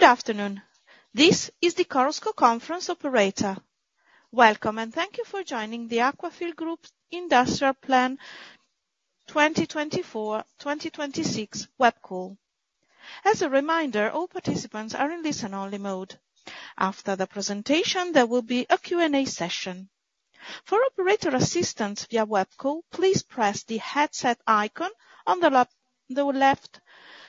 Good afternoon. This is the Chorus Call Conference operator. Welcome, and thank you for joining the Aquafil Group Industrial Plan 2024/2026 web call. As a reminder, all participants are in listen-only mode. After the presentation, there will be a Q&A session. For operator assistance via web call, please press the headset icon on the left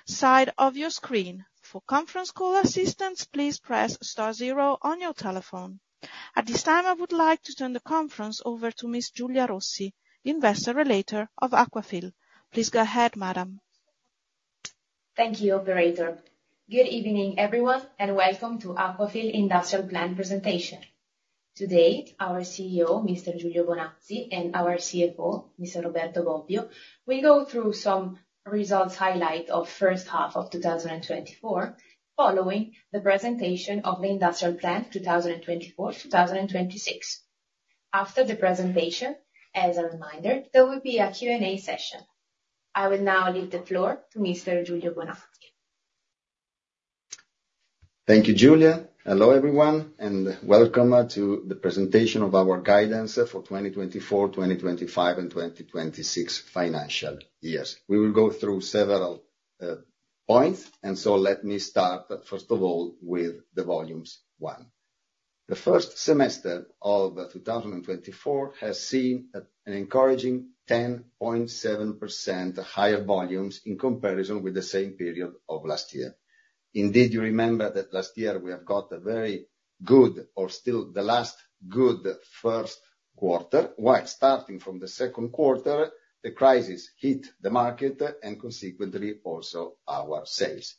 side of your screen. For conference call assistance, please press star zero on your telephone. At this time, I would like to turn the conference over to Ms. Giulia Rossi, the Investor Relator of Aquafil. Please go ahead, madam. Thank you, operator. Good evening, everyone, and welcome to Aquafil Industrial Plan presentation. Today, our CEO, Mr. Giulio Bonazzi, and our CFO, Mr. Roberto Bobbio, will go through some results highlight of first half of 2024 following the presentation of the industrial plan 2024/2026. After the presentation, as a reminder, there will be a Q&A session. I will now leave the floor to Mr. Giulio Bonazzi. Thank you, Giulia. Hello, everyone, and welcome to the presentation of our guidance for 2024, 2025, and 2026 financial years. Let me start, first of all, with the volumes one. The first semester of 2024 has seen an encouraging 10.7% higher volumes in comparison with the same period of last year. You remember that last year we have got a very good or still the last good first quarter, while starting from the second quarter, the crisis hit the market and consequently also our sales.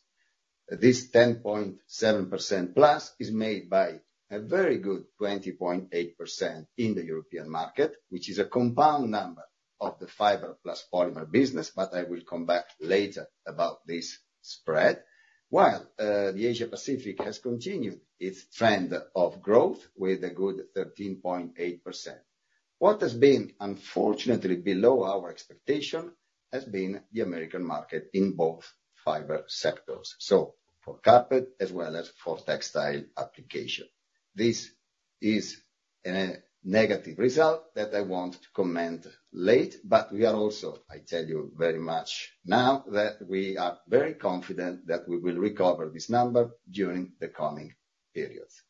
This 10.7% plus is made by a very good 20.8% in the European market, which is a compound number of the fiber plus polymer business, but I will come back later about this spread. While the Asia Pacific has continued its trend of growth with a good 13.8%. What has been unfortunately below our expectation has been the American market in both fiber sectors. For carpet as well as for textile application. This is a negative result that I want to comment late, but we are also, I tell you very much now that we are very confident that we will recover this number during the coming periods.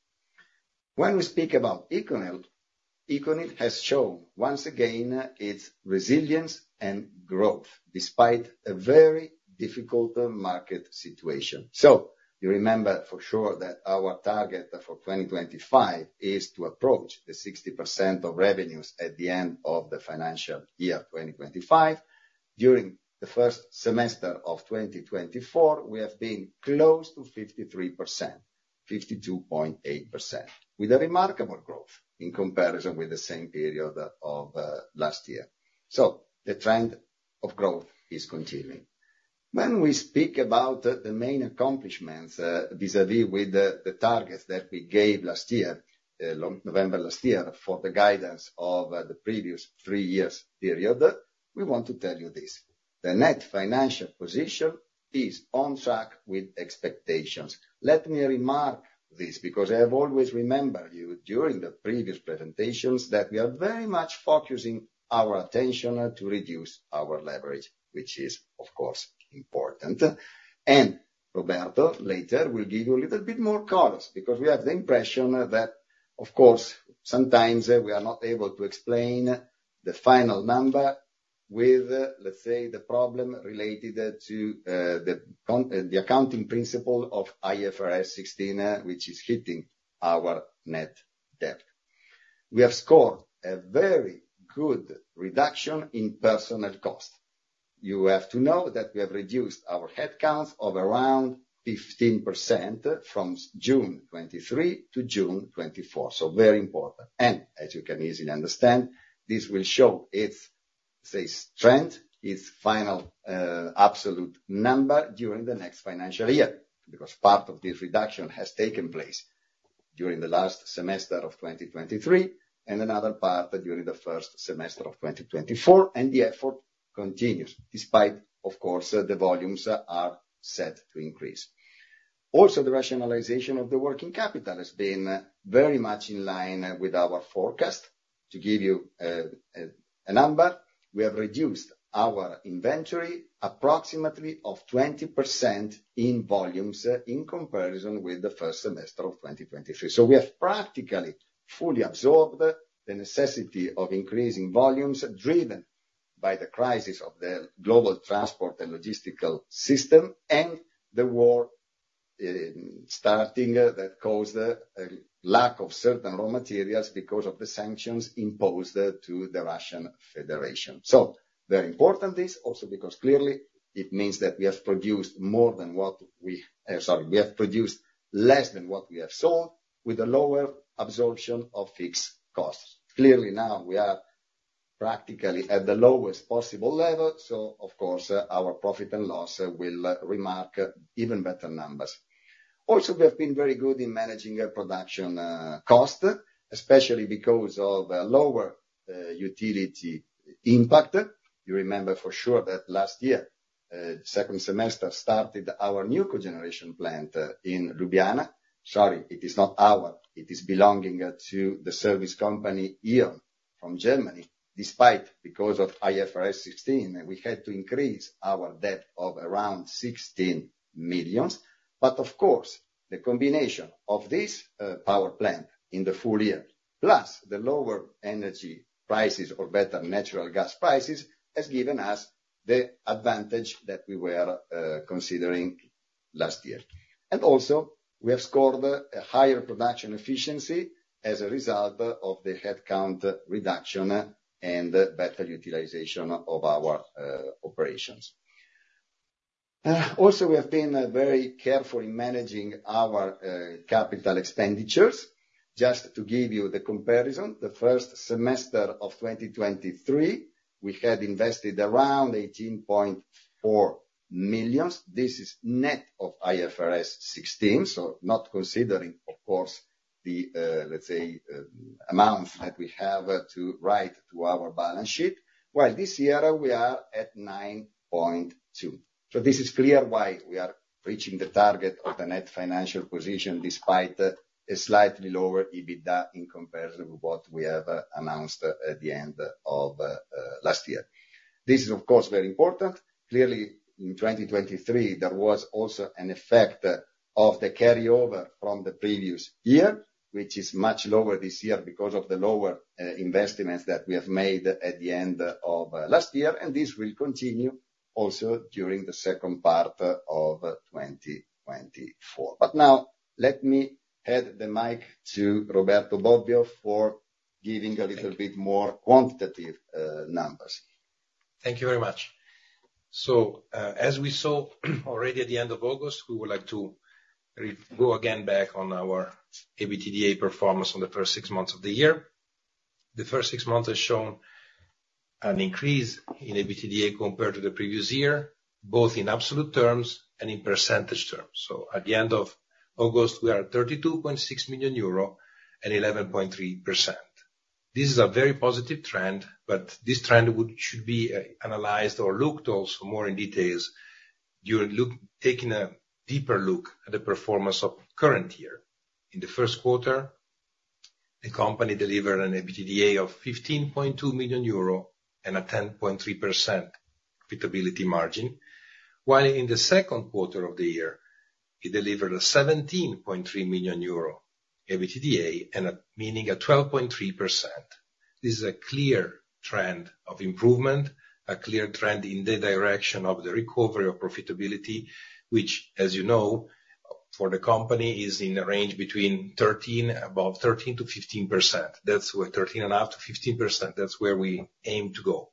You remember for sure that our target for 2025 is to approach the 60% of revenues at the end of the financial year 2025. During the first semester of 2024, we have been close to 53%, 52.8%, with a remarkable growth in comparison with the same period of last year. The trend of growth is continuing. When we speak about the main accomplishments vis-a-vis with the targets that we gave November last year for the guidance of the previous three years period, we want to tell you this. The net financial position is on track with expectations. Let me remark this because I have always remembered you during the previous presentations that we are very much focusing our attention to reduce our leverage, which is, of course, important. Roberto later will give you a little bit more colors because we have the impression that, of course, sometimes we are not able to explain the final number with, let's say, the problem related to the accounting principle of IFRS 16, which is hitting our net debt. We have scored a very good reduction in personnel cost. You have to know that we have reduced our headcounts of around 15% from June 2023 to June 2024. Very important. As you can easily understand, this will show its strength, its final absolute number during the next financial year, because part of this reduction has taken place during the last semester of 2023 and another part during the first semester of 2024, and the effort continues despite, of course, the volumes are set to increase. The rationalization of the working capital has been very much in line with our forecast. To give you a number, we have reduced our inventory approximately of 20% in volumes in comparison with the first semester of 2023. We have practically fully absorbed the necessity of increasing volumes driven by the crisis of the global transport and logistical system and the war starting that caused a lack of certain raw materials because of the sanctions imposed to the Russian Federation. Very important this also because clearly it means that we have produced less than what we have sold with a lower absorption of fixed costs. Clearly now we are practically at the lowest possible level, of course, our profit and loss will remark even better numbers. We have been very good in managing our production cost, especially because of lower utility impact. You remember for sure that last year, second semester started our new cogeneration plant in Ljubljana. Sorry, it is not our, it is belonging to the service company, E.ON, from Germany. Despite, because of IFRS 16, we had to increase our debt of around 16 million. Of course, the combination of this power plant in the full year, plus the lower energy prices or better natural gas prices, has given us the advantage that we were considering last year. We have scored a higher production efficiency as a result of the head count reduction and better utilization of our operations. We have been very careful in managing our capital expenditures. Just to give you the comparison, the first semester of 2023, we had invested around 18.4 million. This is net of IFRS 16, so not considering, of course, the let's say, amounts that we have to write to our balance sheet. While this year we are at 9.2 million. This is clear why we are reaching the target of the net financial position despite a slightly lower EBITDA in comparison with what we have announced at the end of last year. This is of course very important. Clearly, in 2023, there was also an effect of the carryover from the previous year, which is much lower this year because of the lower investments that we have made at the end of last year, and this will continue also during the second part of 2024. Now, let me hand the mic to Roberto Bobbio for giving a little bit more quantitative numbers. Thank you very much. As we saw already at the end of August, we would like to go again back on our EBITDA performance on the first six months of the year. The first six months has shown an increase in EBITDA compared to the previous year, both in absolute terms and in percentage terms. At the end of August, we are at 32.6 million euro and 11.3%. This is a very positive trend, this trend should be analyzed or looked also more in details during taking a deeper look at the performance of current year. In the first quarter, the company delivered an EBITDA of 15.2 million euro and a 10.3% profitability margin, while in the second quarter of the year, it delivered a 17.3 million euro EBITDA, meaning a 12.3%. This is a clear trend of improvement, a clear trend in the direction of the recovery of profitability, which as you know, for the company is in a range between above 13% to 15%. That's where 13.5%-15%, that's where we aim to go.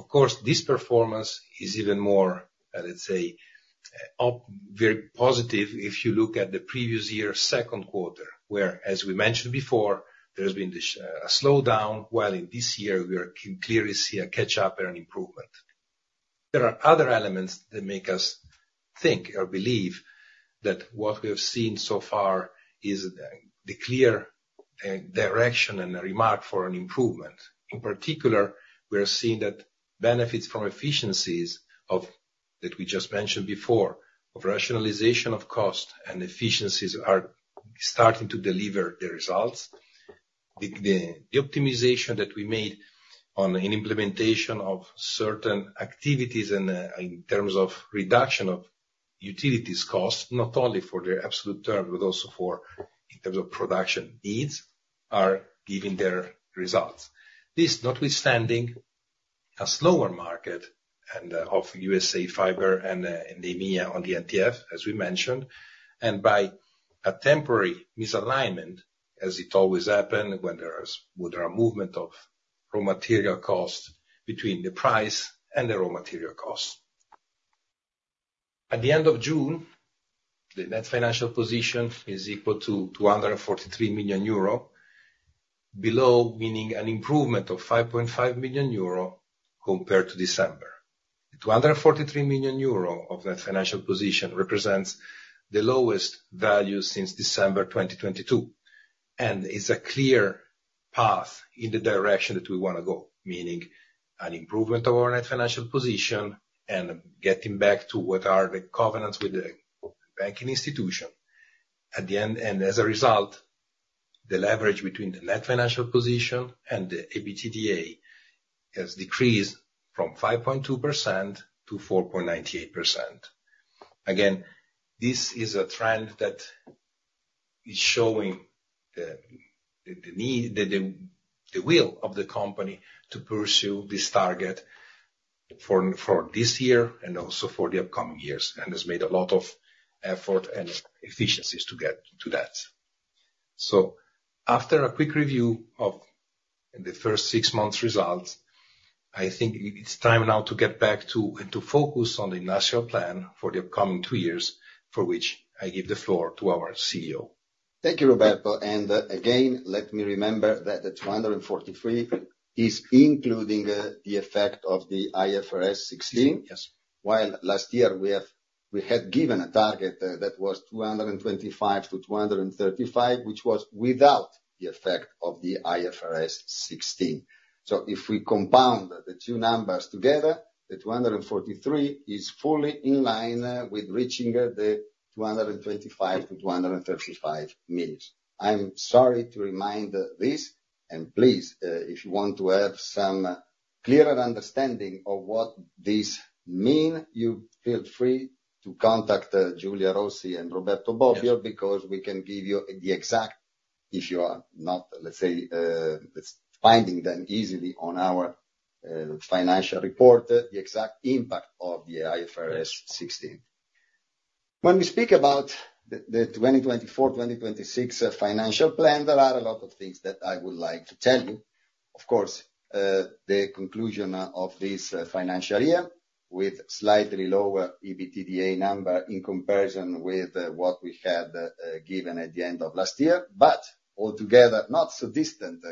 Of course, this performance is even more, let's say, very positive if you look at the previous year, second quarter, where, as we mentioned before, there has been a slowdown, while in this year we are clearly see a catch-up and an improvement. There are other elements that make us think or believe that what we have seen so far is the clear direction and a remark for an improvement. In particular, we are seeing that benefits from efficiencies that we just mentioned before, of rationalization of cost and efficiencies are starting to deliver the results. The optimization that we made on an implementation of certain activities in terms of reduction of utilities cost, not only for their absolute term, but also in terms of production needs, are giving their results. This notwithstanding a slower market of USA fiber and the EMEA on the NTF, as we mentioned, and by a temporary misalignment, as it always happen when there is movement of raw material cost between the price and the raw material cost. At the end of June, the net financial position is equal to 243 million euro below, meaning an improvement of 5.5 million euro compared to December. The 243 million euro of net financial position represents the lowest value since December, 2022, and is a clear path in the direction that we want to go, meaning an improvement of our net financial position and getting back to what are the covenants with the banking institution. At the end, as a result, the leverage between the net financial position and the EBITDA has decreased from 5.2% to 4.98%. This is a trend that is showing the will of the company to pursue this target for this year and also for the upcoming years, and has made a lot of effort and efficiencies to get to that. After a quick review of the first six months results, I think it's time now to get back to and to focus on the financial plan for the upcoming two years, for which I give the floor to our CEO. Thank you, Roberto. Again, let me remember that the 243 is including the effect of the IFRS 16. Yes. While last year we had given a target that was 225 million-235 million, which was without the effect of the IFRS 16. If we compound the two numbers together, the 243 is fully in line with reaching the 225 million-235 million. I'm sorry to remind this. Please, if you want to have some clearer understanding of what this mean, you feel free to contact Giulia Rossi and Roberto Bobbio, because we can give you the exact, if you are not, let's say, finding them easily on our financial report, the exact impact of the IFRS 16. When we speak about the 2024, 2026 financial plan, there are a lot of things that I would like to tell you. Of course, the conclusion of this financial year with slightly lower EBITDA number in comparison with what we had given at the end of last year, but altogether not so distant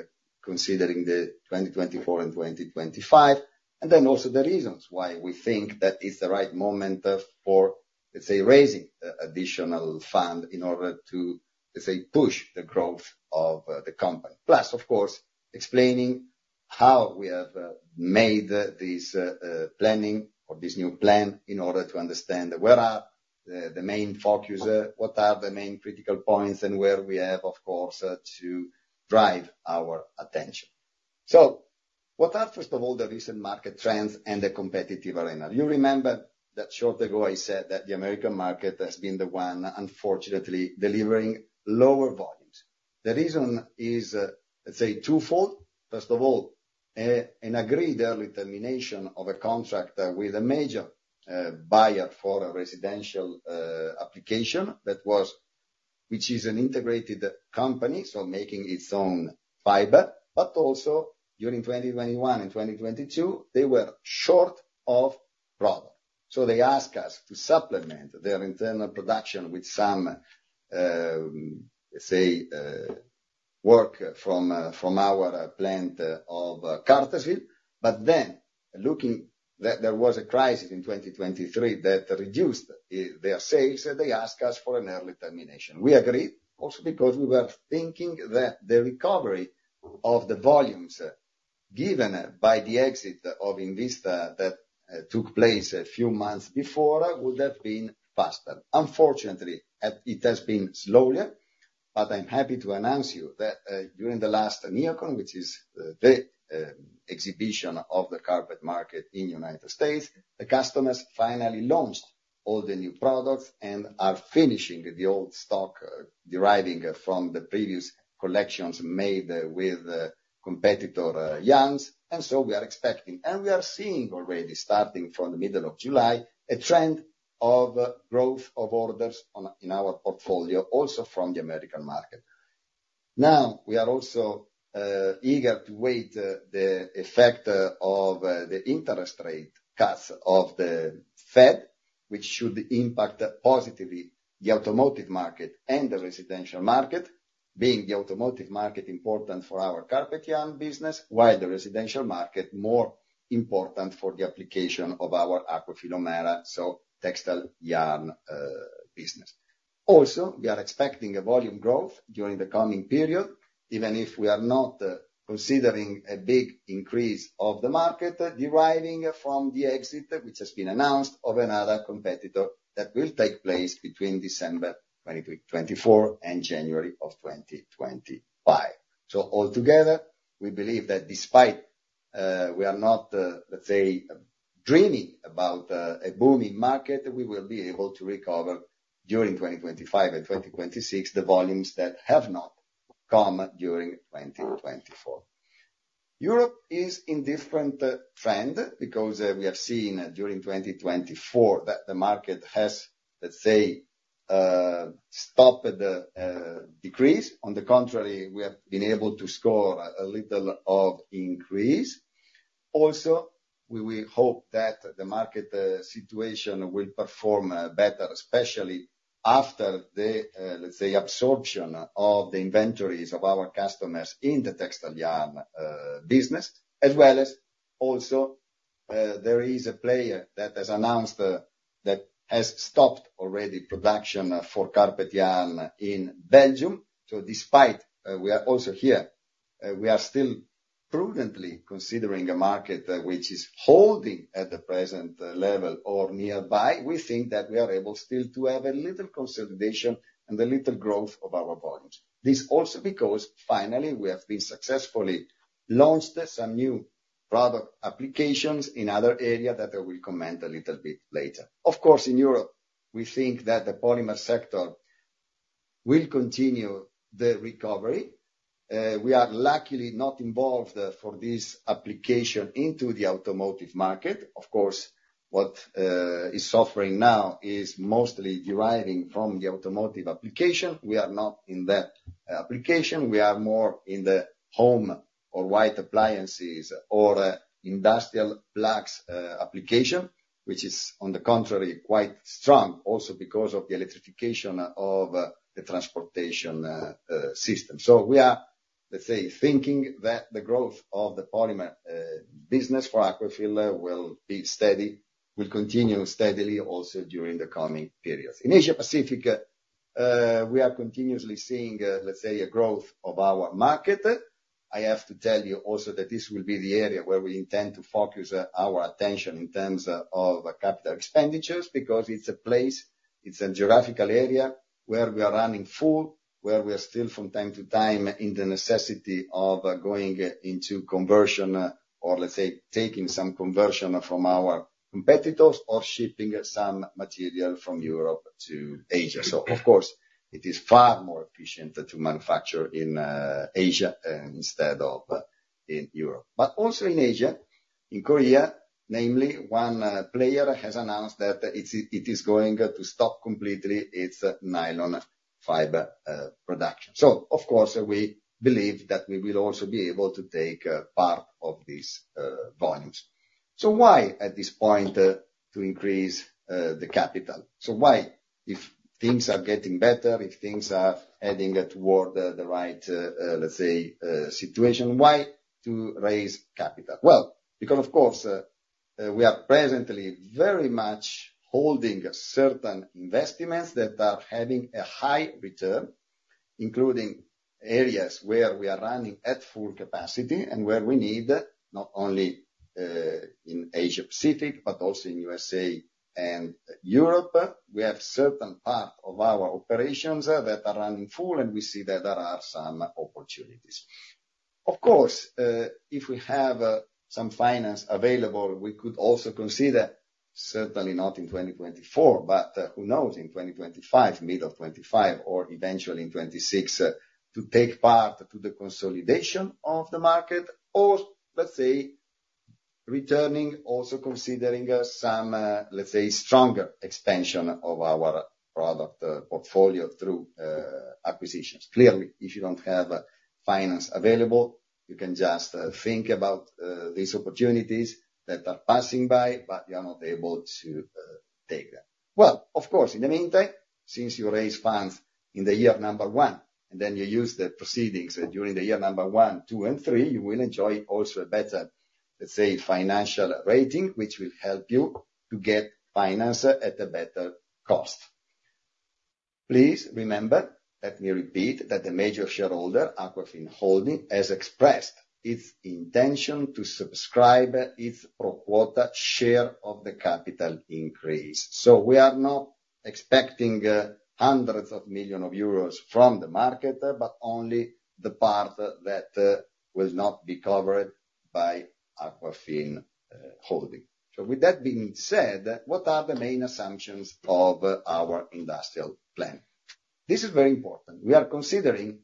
considering the 2024 and 2025. Then also the reasons why we think that it's the right moment for, let's say, raising additional fund in order to, let's say, push the growth of the company. Of course, explaining how we have made this planning or this new plan in order to understand where are the main focus, what are the main critical points, and where we have, of course, to drive our attention. What are, first of all, the recent market trends and the competitive arena? You remember that shortly ago I said that the U.S. market has been the one unfortunately delivering lower volumes. The reason is, let's say, twofold. First of all, an agreed early termination of a contract with a major buyer for a residential application, which is an integrated company, making its own fiber. Also during 2021 and 2022, they were short of product. They ask us to supplement their internal production with some, let's say, work from our plant of Cartersville. Looking that there was a crisis in 2023 that reduced their sales, they ask us for an early termination. We agreed also because we were thinking that the recovery of the volumes given by the exit of INVISTA that took place a few months before, would have been faster. Unfortunately, it has been slower, I'm happy to announce you that, during the last NeoCon, which is the exhibition of the carpet market in U.S., the customers finally launched all the new products and are finishing the old stock deriving from the previous collections made with competitor yarns. We are expecting, and we are seeing already starting from the middle of July, a trend of growth of orders in our portfolio also from the American market. Now we are also eager to wait the effect of the interest rate cuts of the Fed, which should impact positively the automotive market and the residential market, being the automotive market important for our carpet yarn business, while the residential market more important for the application of our Aquafil O'Mara, textile yarn business. Also, we are expecting a volume growth during the coming period, even if we are not considering a big increase of the market deriving from the exit, which has been announced of another competitor that will take place between December 2024 and January of 2025. Altogether, we believe that despite, we are not, let's say, dreaming about a booming market, we will be able to recover during 2025 and 2026, the volumes that have not come during 2024. Europe is in different trend because we have seen during 2024 that the market has, let's say, stopped the decrease. On the contrary, we have been able to score a little of increase. Also, we hope that the market situation will perform better, especially after the, let's say, absorption of the inventories of our customers in the textile yarn business as well as also, there is a player that has announced that has stopped already production for carpet yarn in Belgium. Despite, we are also here, we are still prudently considering a market which is holding at the present level or nearby. We think that we are able still to have a little consolidation and a little growth of our volumes. This also because finally we have been successfully launched some new product applications in other area that I will comment a little bit later. Of course, in Europe we think that the polymer sector will continue the recovery. We are luckily not involved for this application into the automotive market. Of course, what is suffering now is mostly deriving from the automotive application. We are not in that application. We are more in the home or white appliances or industrial plugs application, which is on the contrary quite strong also because of the electrification of the transportation system. We are, let's say, thinking that the growth of the polymer business for Aquafil will continue steadily also during the coming periods. In Asia Pacific, we are continuously seeing, let's say, a growth of our market. I have to tell you also that this will be the area where we intend to focus our attention in terms of capital expenditures, because it's a place, it's a geographical area where we are running full, where we are still from time to time in the necessity of going into conversion or, let's say, taking some conversion from our competitors or shipping some material from Europe to Asia. Of course, it is far more efficient to manufacture in Asia instead of in Europe. Also in Asia, in Korea, namely one player has announced that it is going to stop completely its nylon fiber production. Of course, we believe that we will also be able to take part of these volumes. Why at this point to increase the capital? Why, if things are getting better, if things are heading toward the right, let's say, situation, why to raise capital? Because of course, we are presently very much holding certain investments that are having a high return, including areas where we are running at full capacity and where we need, not only, in Asia Pacific, but also in USA and Europe. We have certain part of our operations that are running full, and we see that there are some opportunities. Of course, if we have some finance available, we could also consider, certainly not in 2024, but who knows, in 2025, middle of 2025, or eventually in 2026, to take part to the consolidation of the market or, let's say, returning, also considering some, let's say, stronger expansion of our product portfolio through acquisitions. Clearly, if you don't have finance available, you can just think about these opportunities that are passing by, but you are not able to take them. Of course, in the meantime, since you raise funds in the year number 1, and then you use the proceedings during the year number 1, 2 and 3, you will enjoy also a better, let's say, financial rating, which will help you to get finance at a better cost. Please remember, let me repeat, that the major shareholder, Aquafin Holding, has expressed its intention to subscribe its pro quota share of the capital increase. We are not expecting hundreds of million of EUR from the market, but only the part that will not be covered by Aquafin Holding. With that being said, what are the main assumptions of our industrial plan? This is very important. We are considering,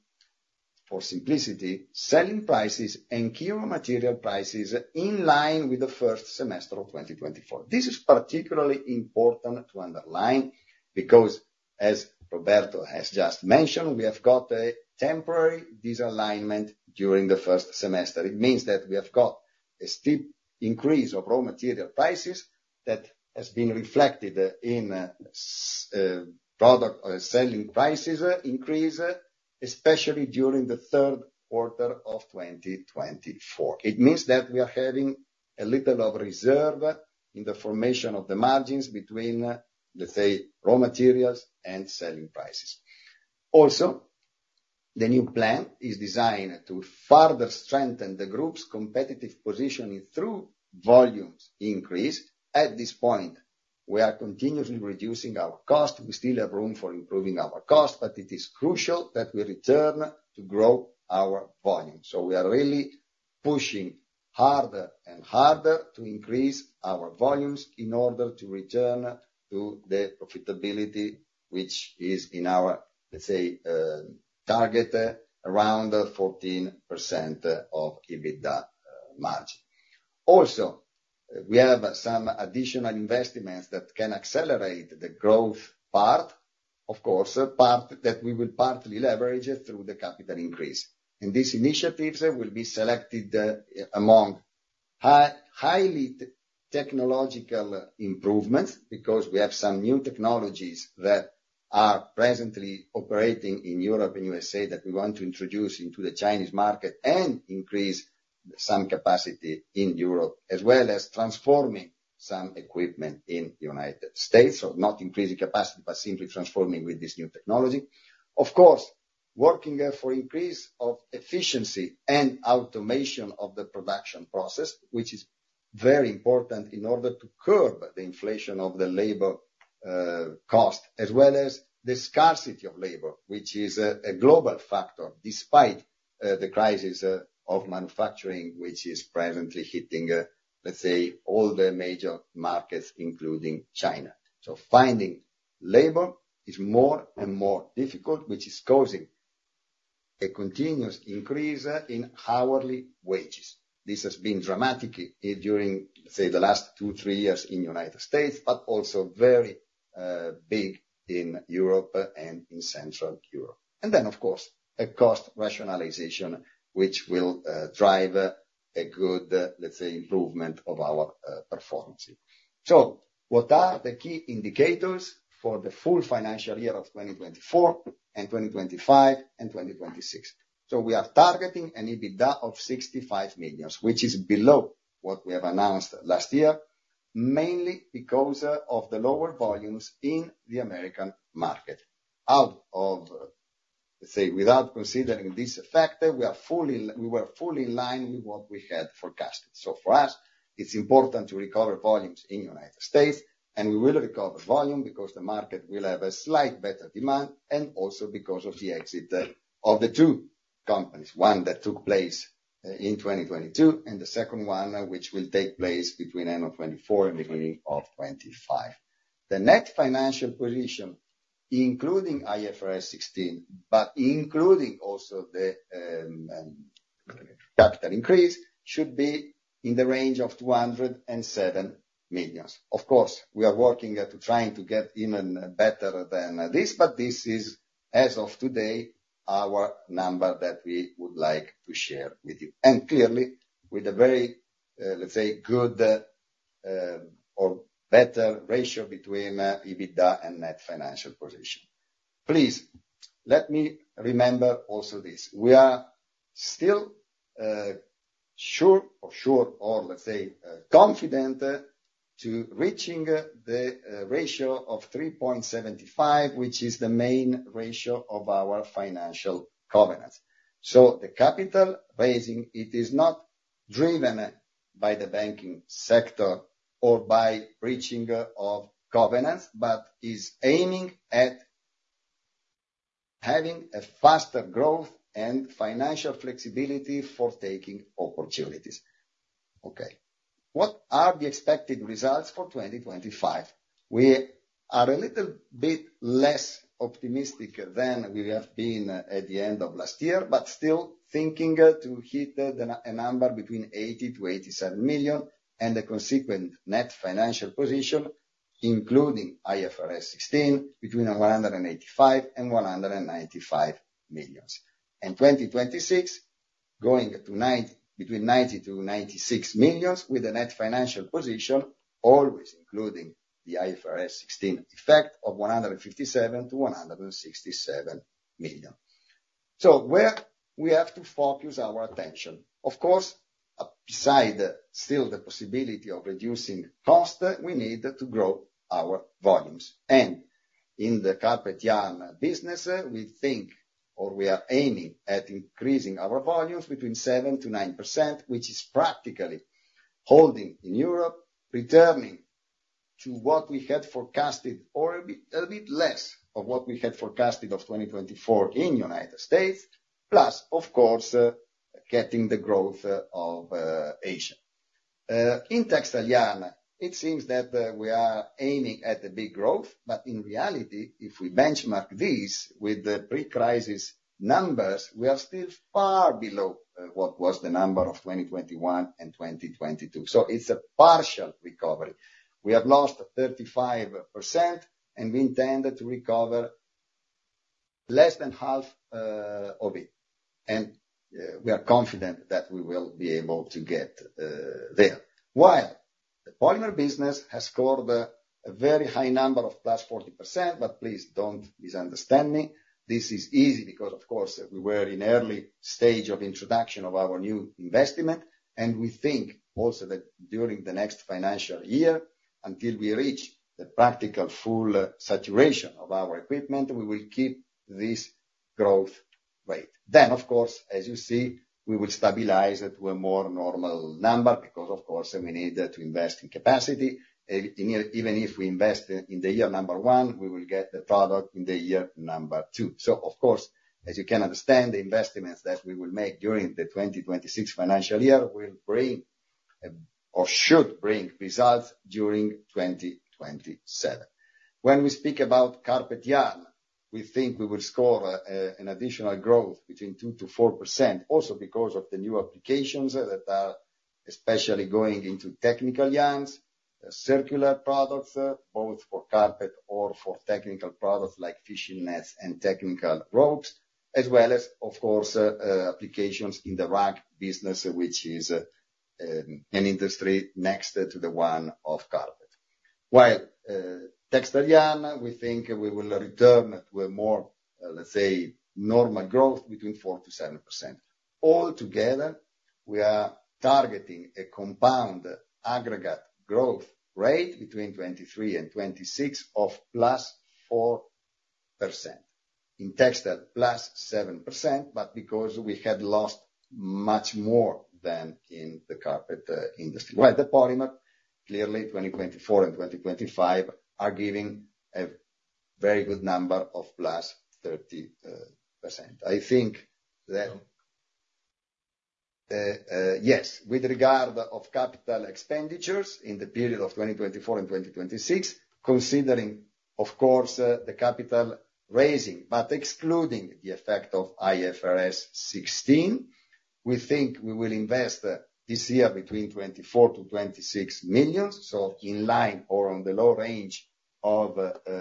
for simplicity, selling prices and key raw material prices in line with the first semester of 2024. This is particularly important to underline because, as Roberto has just mentioned, we have got a temporary disalignment during the first semester. It means that we have got a steep increase of raw material prices that has been reflected in product selling prices increase, especially during the third quarter of 2024. It means that we are having a little of reserve in the formation of the margins between, let's say, raw materials and selling prices. The new plan is designed to further strengthen the group's competitive positioning through volumes increase. At this point, we are continuously reducing our cost. We still have room for improving our cost, but it is crucial that we return to grow our volume. We are really pushing harder and harder to increase our volumes in order to return to the profitability, which is in our, let's say, target around 14% of EBITDA margin. We have some additional investments that can accelerate the growth part, of course, part that we will partly leverage through the capital increase. These initiatives will be selected among high technological improvements because we have some new technologies that are presently operating in Europe and U.S.A. that we want to introduce into the Chinese market and increase some capacity in Europe, as well as transforming some equipment in the United States. Not increasing capacity, but simply transforming with this new technology. Of course, working for increase of efficiency and automation of the production process, which is very important in order to curb the inflation of the labor cost, as well as the scarcity of labor, which is a global factor despite the crisis of manufacturing, which is presently hitting, let's say, all the major markets, including China. Finding labor is more and more difficult, which is causing a continuous increase in hourly wages. This has been dramatic during, let's say, the last two, three years in the United States, but also very big in Europe and in Central Europe. A cost rationalization which will drive a good, let's say, improvement of our performance. What are the key indicators for the full financial year of 2024, 2025, and 2026? We are targeting an EBITDA of 65 million, which is below what we have announced last year, mainly because of the lower volumes in the American market. Without considering this effect, we were fully in line with what we had forecasted. For us, it's important to recover volumes in the United States, and we will recover volume because the market will have a slight better demand, and also because of the exit of the two companies, one that took place in 2022 and the second one, which will take place between end of 2024 and beginning of 2025. The net financial position, including IFRS 16, but including also the capital increase, should be in the range of 207 million. We are working at trying to get even better than this, but this is, as of today, our number that we would like to share with you. Clearly, with a very, let's say, good or better ratio between EBITDA and net financial position. Please let me remember also this. We are still sure or, let's say, confident to reaching the ratio of 3.75, which is the main ratio of our financial covenants. The capital raising, it is not driven by the banking sector or by reaching of covenants, but is aiming at having a faster growth and financial flexibility for taking opportunities. What are the expected results for 2025? We are a little bit less optimistic than we have been at the end of last year, but still thinking to hit a number between 80 million to 87 million, and a consequent net financial position, including IFRS 16, between 185 million and 195 million. In 2026, going between 90 million to 96 million, with a net financial position, always including the IFRS 16 effect of 157 million to 167 million. Where we have to focus our attention? Of course, beside still the possibility of reducing cost, we need to grow our volumes. In the carpet yarn business, we think or we are aiming at increasing our volumes between 7%-9%, which is practically holding in Europe, returning to what we had forecasted or a bit less of what we had forecasted of 2024 in the U.S. Of course, getting the growth of Asia. In textile yarn, it seems that we are aiming at a big growth, but in reality, if we benchmark this with the pre-crisis numbers, we are still far below what was the number of 2021 and 2022. It's a partial recovery. We have lost 35%, and we intend to recover less than half of it. We are confident that we will be able to get there. While the polymer business has scored a very high number of +40%, please don't misunderstand me. This is easy because, of course, we were in early stage of introduction of our new investment, we think also that during the next financial year, until we reach the practical full saturation of our equipment, we will keep this growth rate. Of course, as you see, we will stabilize it to a more normal number because, of course, we need to invest in capacity. Even if we invest in the year number 1, we will get the product in the year number 2. Of course, as you can understand, the investments that we will make during the 2026 financial year will bring or should bring results during 2027. When we speak about carpet yarn, we think we will score an additional growth between 2%-4%, also because of the new applications that are especially going into technical yarns, circular products, both for carpet or for technical products like fishing nets and technical ropes, as well as, of course, applications in the rug business, which is an industry next to the one of carpet. While textile yarn, we think we will return to a more, let's say, normal growth between 4%-7%. Altogether, we are targeting a compound aggregate growth rate between 2023 and 2026 of +4%. In textile, +7%, because we had lost much more than in the carpet industry. While the polymer, clearly 2024 and 2025 are giving a very good number of +30%. I think that yes. With regard to capital expenditures in the period of 2024 and 2026, considering of course the capital raising, excluding the effect of IFRS 16, we think we will invest this year between 24 million-26 million. In line or on the low range of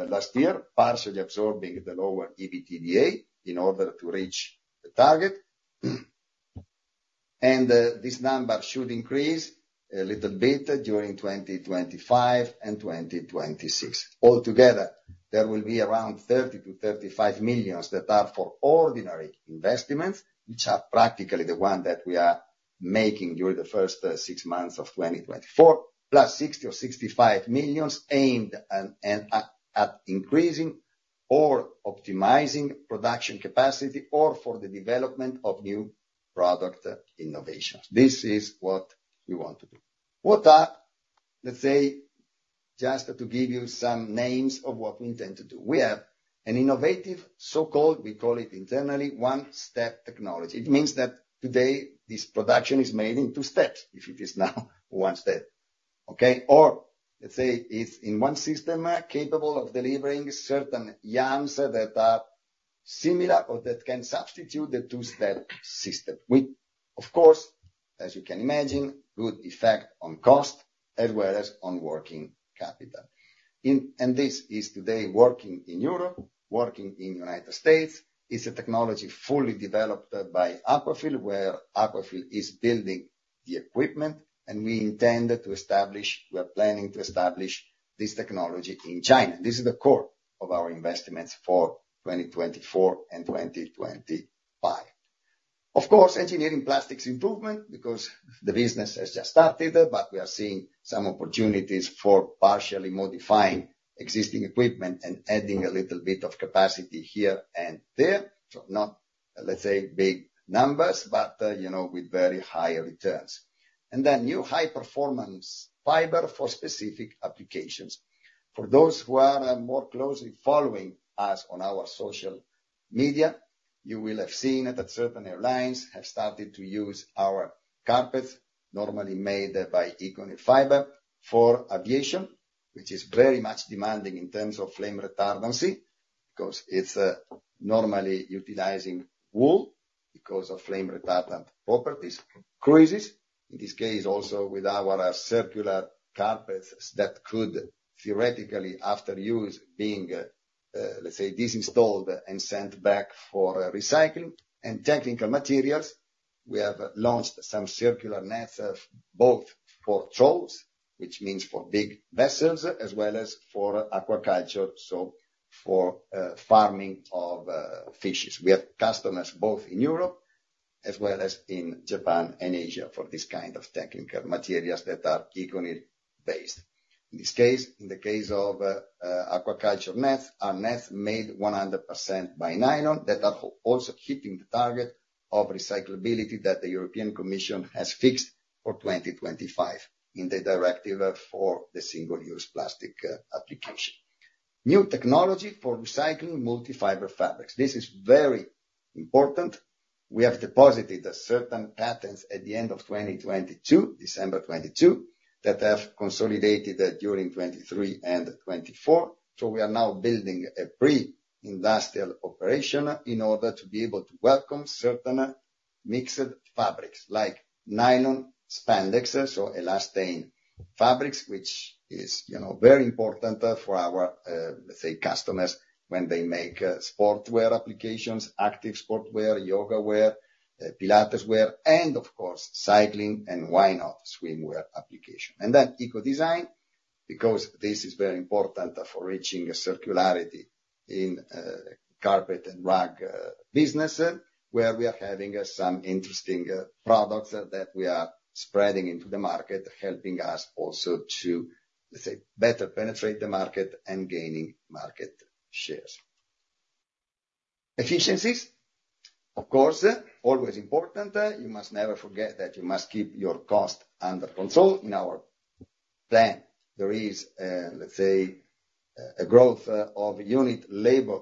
last year, partially absorbing the lower EBITDA in order to reach the target. This number should increase a little bit during 2025 and 2026. Altogether, there will be around 30 million-35 million that are for ordinary investments, which are practically the one that we are making during the first six months of 2024, plus 60 million or 65 million aimed at increasing or optimizing production capacity or for the development of new product innovation. This is what we want to do. What are, let's say, just to give you some names of what we intend to do. We have an innovative, so-called, we call it internally, OneStep technology. It means that today this production is made in two steps, if it is now one step. Okay? Or, let's say, it is in one system capable of delivering certain yarns that are similar or that can substitute the two-step system. With, of course, as you can imagine, good effect on cost as well as on working capital. This is today working in Europe, working in the U.S. It is a technology fully developed by Aquafil, where Aquafil is building the equipment, we are planning to establish this technology in China. This is the core of our investments for 2024 and 2025. Of course, engineering plastics improvement because the business has just started, we are seeing some opportunities for partially modifying existing equipment and adding a little bit of capacity here and there. Not, let's say, big numbers, but with very high returns. New high-performance fiber for specific applications. For those who are more closely following us on our social media, you will have seen that certain airlines have started to use our carpets, normally made by ECONYL fiber for aviation, which is very much demanding in terms of flame retardancy, because it is normally utilizing wool because of flame retardant properties. Cruises, in this case also with our circular carpets that could theoretically, after use, be, let's say, disinstalled and sent back for recycling. Technical materials, we have launched some circular nets, both for trawls, which means for big vessels, as well as for aquaculture, so for farming of fishes. We have customers both in Europe as well as in Japan and Asia for this kind of technical materials that are ECONYL based. In this case, in the case of aquaculture nets, are nets made 100% by nylon that are also hitting the target of recyclability that the European Commission has fixed for 2025 in the directive for the Single-Use Plastics Directive application. New technology for recycling multi-fiber fabrics. This is very important. We have deposited certain patents at the end of 2022, December 2022, that have consolidated during 2023 and 2024. We are now building a pre-industrial operation in order to be able to welcome certain mixed fabrics like nylon, spandex, elastane fabrics, which is very important for our, let's say, customers when they make sportswear applications, active sportswear, yoga wear, Pilates wear, and of course, cycling and why not swimwear application. Ecodesign, because this is very important for reaching circularity in carpet and rug business, where we are having some interesting products that we are spreading into the market, helping us also to, let's say, better penetrate the market and gaining market shares. Efficiencies, of course, always important. You must never forget that you must keep your cost under control. In our plan, there is, let's say, a growth of unit labor,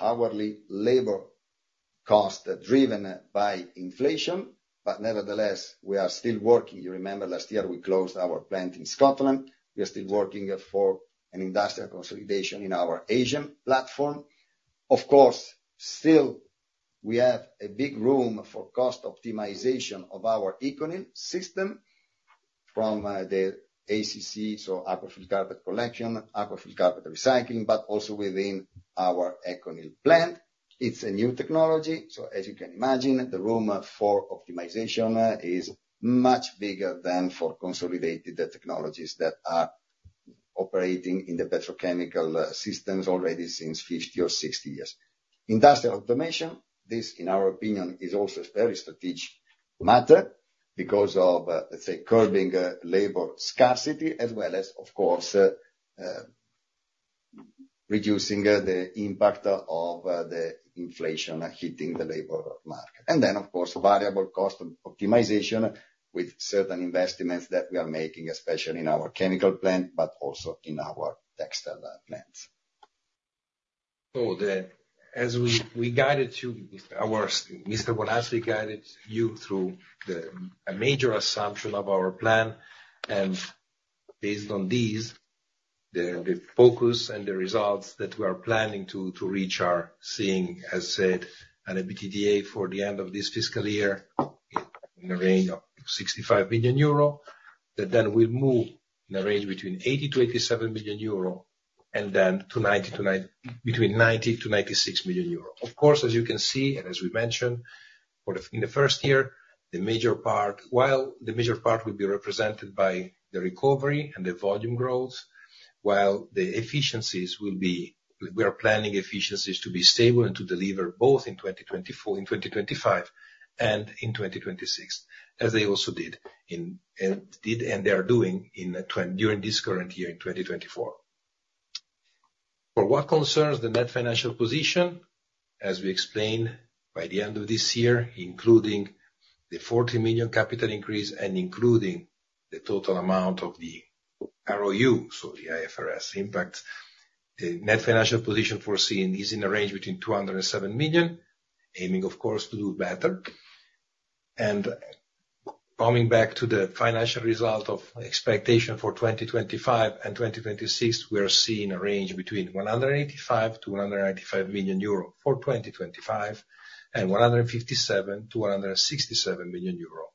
hourly labor cost driven by inflation, but nevertheless, we are still working. You remember last year we closed our plant in Scotland. We are still working for an industrial consolidation in our Asian platform. Of course, still, we have a big room for cost optimization of our ECONYL system from the ACC, Aquafil Carpet Collection, Aquafil Carpet Recycling, but also within our ECONYL plant. It's a new technology, as you can imagine, the room for optimization is much bigger than for consolidated technologies that are operating in the petrochemical systems already since 50 or 60 years. Industrial automation, this, in our opinion, is also a very strategic matter because of, let's say, curbing labor scarcity, as well as, of course, reducing the impact of the inflation hitting the labor market. Of course, variable cost optimization with certain investments that we are making, especially in our chemical plant, but also in our textile plants. As Mr. Bonazzi guided you through the major assumption of our plan, and based on these, the focus and the results that we are planning to reach are seeing, as said, an EBITDA for the end of this fiscal year in the range of 65 million euro, that then will move in the range between 80 million-87 million euro, and then between 90 million-96 million euro. Of course, as you can see, and as we mentioned, in the first year, while the major part will be represented by the recovery and the volume growth, while we are planning efficiencies to be stable and to deliver both in 2024, 2025, and 2026, as they also did, and they are doing during this current year in 2024. For what concerns the net financial position, as we explained, by the end of this year, including the 40 million capital increase and including the total amount of the ROU, the IFRS impact, the net financial position foreseen is in the range between 207 million, aiming, of course, to do better. Coming back to the financial result of expectation for 2025 and 2026, we are seeing a range between 185 million-195 million euro for 2025, and 157 million-167 million euro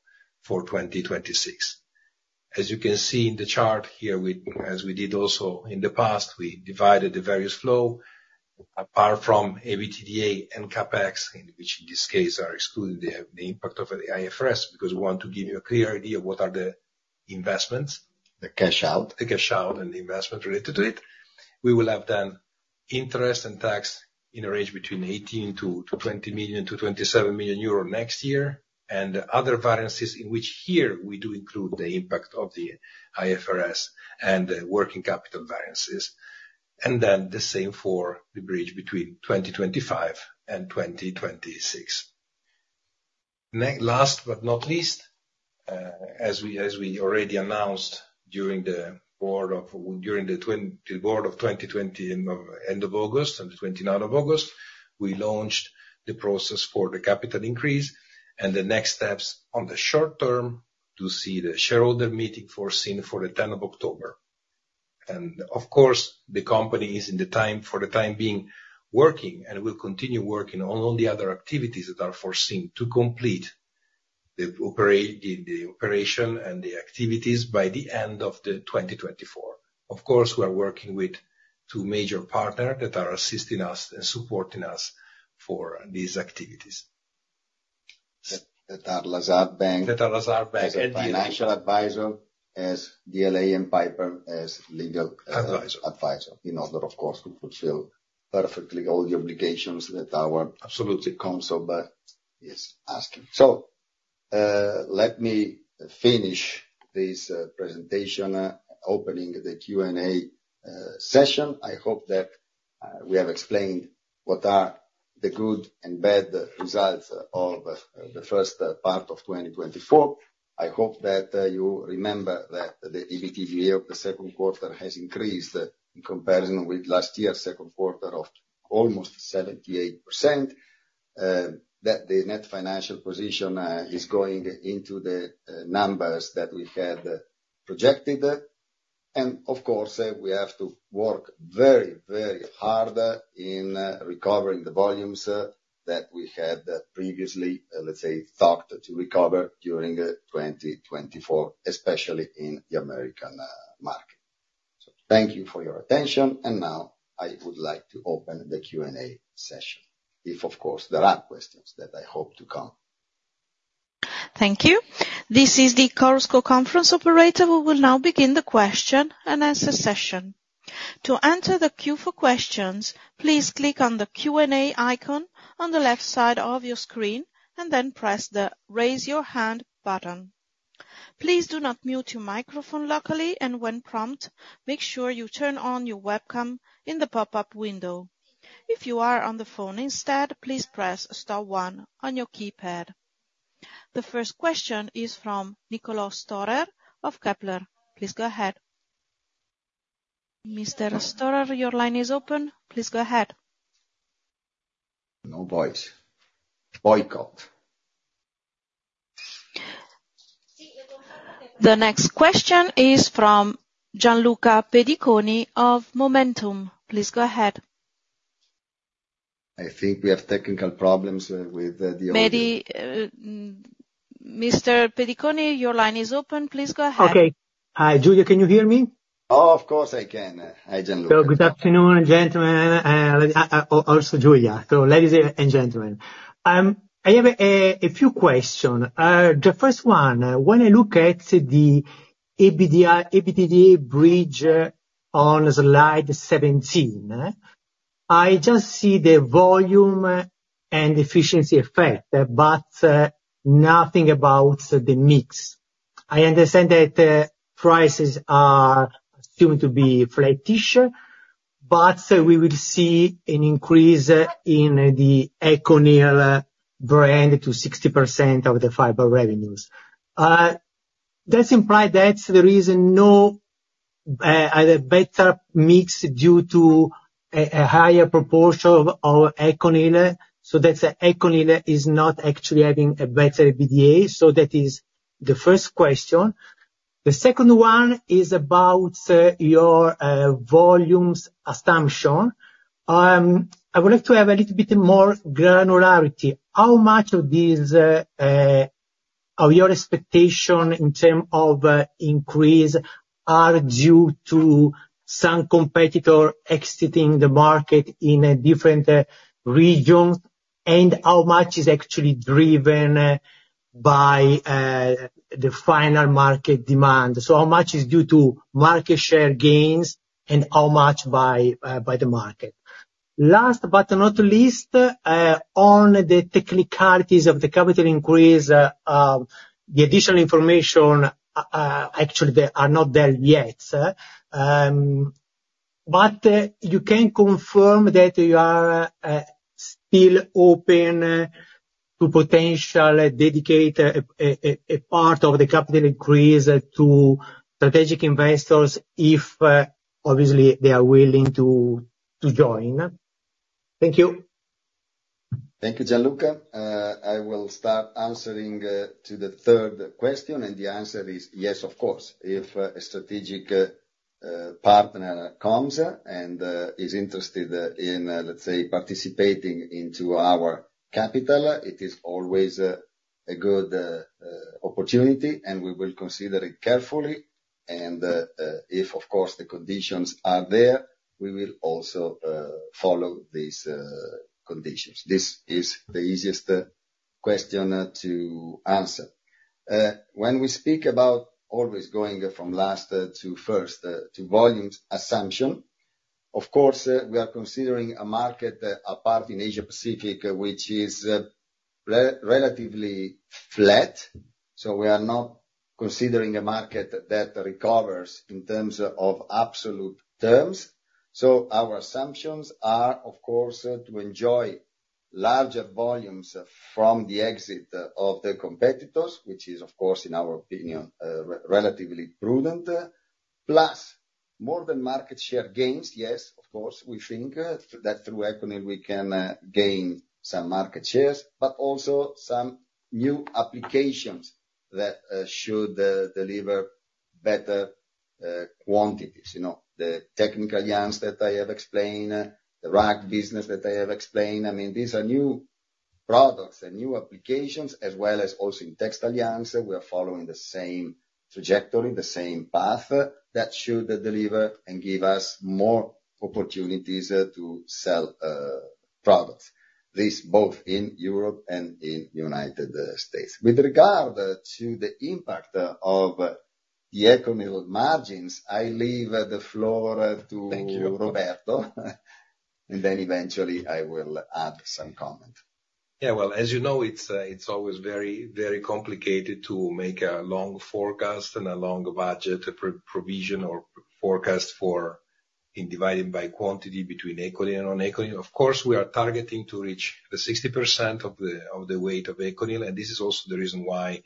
for 2026. As you can see in the chart here, as we did also in the past, we divided the various flow apart from EBITDA and CapEx, which in this case are excluded the impact of the IFRS, because we want to give you a clear idea of what are the investments. The cash out. The cash out and the investment related to it. We will have then interest and tax in a range between 18 million to 20 million to 27 million euro next year, and other variances in which here we do include the impact of the IFRS and the working capital variances, and then the same for the bridge between 2025 and 2026. Last but not least, as we already announced during the board of 2020, end of August, on the 29th of August, we launched the process for the capital increase, and the next steps on the short term to see the shareholder meeting foreseen for the 10th of October. Of course, the company is, for the time being, working and will continue working on all the other activities that are foreseen to complete the operation and the activities by the end of the 2024. Of course, we are working with two major partner that are assisting us and supporting us for these activities. That are Lazard Bank. That are Lazard. As a financial advisor, as DLA Piper as legal. Advisor advisor. In order, of course, to fulfill perfectly all the obligations that. Absolutely council is asking. Let me finish this presentation, opening the Q&A session. I hope that we have explained what are the good and bad results of the first part of 2024. I hope that you remember that the EBITDA of the second quarter has increased in comparison with last year's second quarter of almost 78%, that the net financial position is going into the numbers that we had projected. Of course, we have to work very hard in recovering the volumes that we had previously, let's say, thought to recover during 2024, especially in the American market. Thank you for your attention, and now I would like to open the Q&A session. If, of course, there are questions that I hope to come. Thank you. This is the Chorus Call conference operator. We will now begin the question-and-answer session. To enter the queue for questions, please click on the Q&A icon on the left side of your screen, and then press the Raise Your Hand button. Please do not mute your microphone locally, and when prompted, make sure you turn on your webcam in the pop-up window. If you are on the phone instead, please press star one on your keypad. The first question is from Niccolò Storer of Kepler. Please go ahead. Mr. Storer, your line is open. Please go ahead. No voice. Boycott. The next question is from Gianluca Pediconi of MOMentum. Please go ahead. I think we have technical problems with the audio. Maybe Mr. Pediconi, your line is open. Please go ahead. Okay. Hi, Giulia, can you hear me? Of course I can. Hi, Gianluca. Good afternoon, gentlemen, also Giulia. Ladies and gentlemen, I have a few question. The first one, when I look at the EBITDA bridge on slide 17, I just see the volume and efficiency effect, but nothing about the mix. I understand that prices are assumed to be flattish, but we will see an increase in the ECONYL brand to 60% of the fiber revenues. Does it imply that there is no better mix due to a higher proportion of ECONYL, so that ECONYL is not actually having a better EBITDA? That is the first question. The second one is about your volumes assumption. I would like to have a little bit more granularity. How much of your expectation in term of increase are due to some competitor exiting the market in a different region, and how much is actually driven by the final market demand? How much is due to market share gains, and how much by the market? Last but not least, on the technicalities of the capital increase, the additional information, actually they are not there yet. You can confirm that you are still open to potentially dedicate a part of the capital increase to strategic investors if, obviously they are willing to join. Thank you. Thank you, Gianluca. I will start answering to the third question, the answer is yes, of course. If a strategic partner comes and is interested in, let's say, participating into our capital, it is always a good opportunity, we will consider it carefully. If, of course, the conditions are there, we will also follow these conditions. This is the easiest question to answer. When we speak about always going from last to first to volumes assumption, of course, we are considering a market apart in Asia Pacific, which is relatively flat. We are not considering a market that recovers in terms of absolute terms. Our assumptions are, of course, to enjoy larger volumes from the exit of the competitors, which is, of course, in our opinion, relatively prudent, plus more than market share gains. Yes, of course, we think that through ECONYL we can gain some market shares, but also some new applications that should deliver better quantities. The technical yarns that I have explained, the rug business that I have explained, these are new products and new applications, as well as also in textile yarns, we are following the same trajectory, the same path that should deliver and give us more opportunities to sell products. This both in Europe and in United States. With regard to the impact of the ECONYL margins, I leave the floor to Roberto. Then eventually I will add some comment. Well, as you know, it's always very complicated to make a long forecast and a long budget provision or forecast for in dividing by quantity between ECONYL and non-ECONYL. Of course, we are targeting to reach the 60% of the weight of ECONYL, and this is also the reason why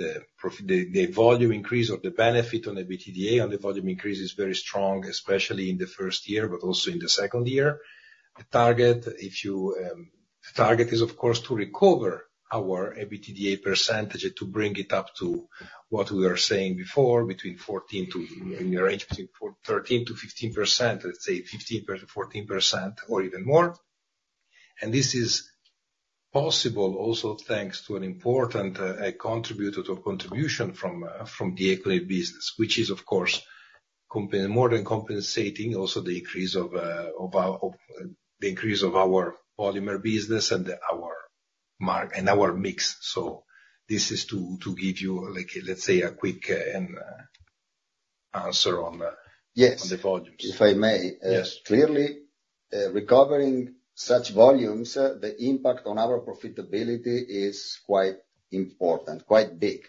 the volume increase or the benefit on the EBITDA on the volume increase is very strong, especially in the first year, but also in the second year. The target is, of course, to recover our EBITDA percentage to bring it up to what we were saying before, in the range between 13%-15%, let's say 15, 14% or even more. This is possible also thanks to an important contribution from the ECONYL business, which is, of course, more than compensating also the increase of our polymer business and our mix. This is to give you, let's say, a quick answer on the volumes. Yes. If I may. Yes. Clearly, recovering such volumes, the impact on our profitability is quite important, quite big.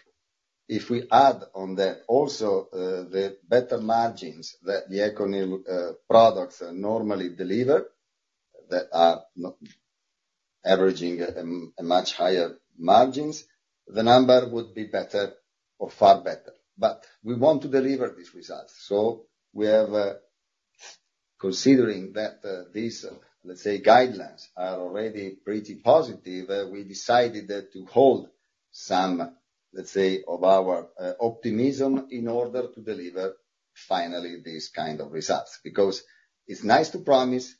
If we add on that also the better margins that the ECONYL products normally deliver, that are averaging a much higher margins, the number would be better or far better. We want to deliver this result. We have, considering that these, let's say, guidelines are already pretty positive, we decided to hold some of our optimism in order to deliver finally these kind of results. It's nice to promise,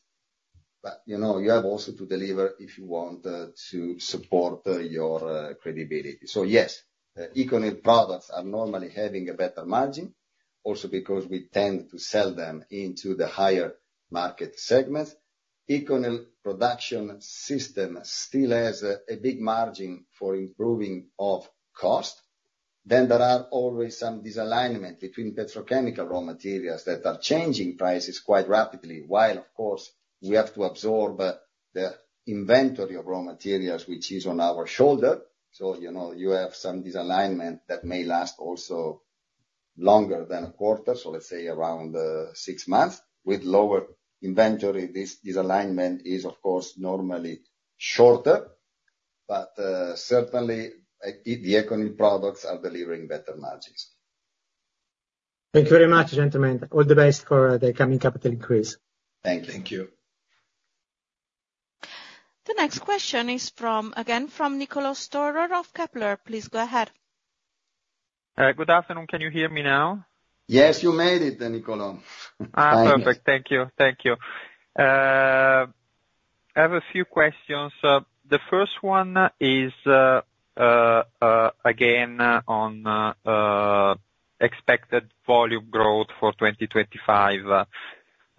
you have also to deliver if you want to support your credibility. Yes, ECONYL products are normally having a better margin, also because we tend to sell them into the higher market segments. ECONYL production system still has a big margin for improving of cost. There are always some misalignment between petrochemical raw materials that are changing prices quite rapidly. While of course, we have to absorb the inventory of raw materials which is on our shoulder. You have some misalignment that may last also longer than a quarter, so let's say around six months. With lower inventory, this misalignment is, of course, normally shorter. Certainly, the ECONYL products are delivering better margins. Thank you very much, gentlemen. All the best for the coming capital increase. Thank you. The next question is again from Niccolò Storer of Kepler. Please go ahead. Good afternoon. Can you hear me now? Yes, you made it, Niccolò. Perfect. Thank you. I have a few questions. The first one is, again, on expected volume growth for 2025.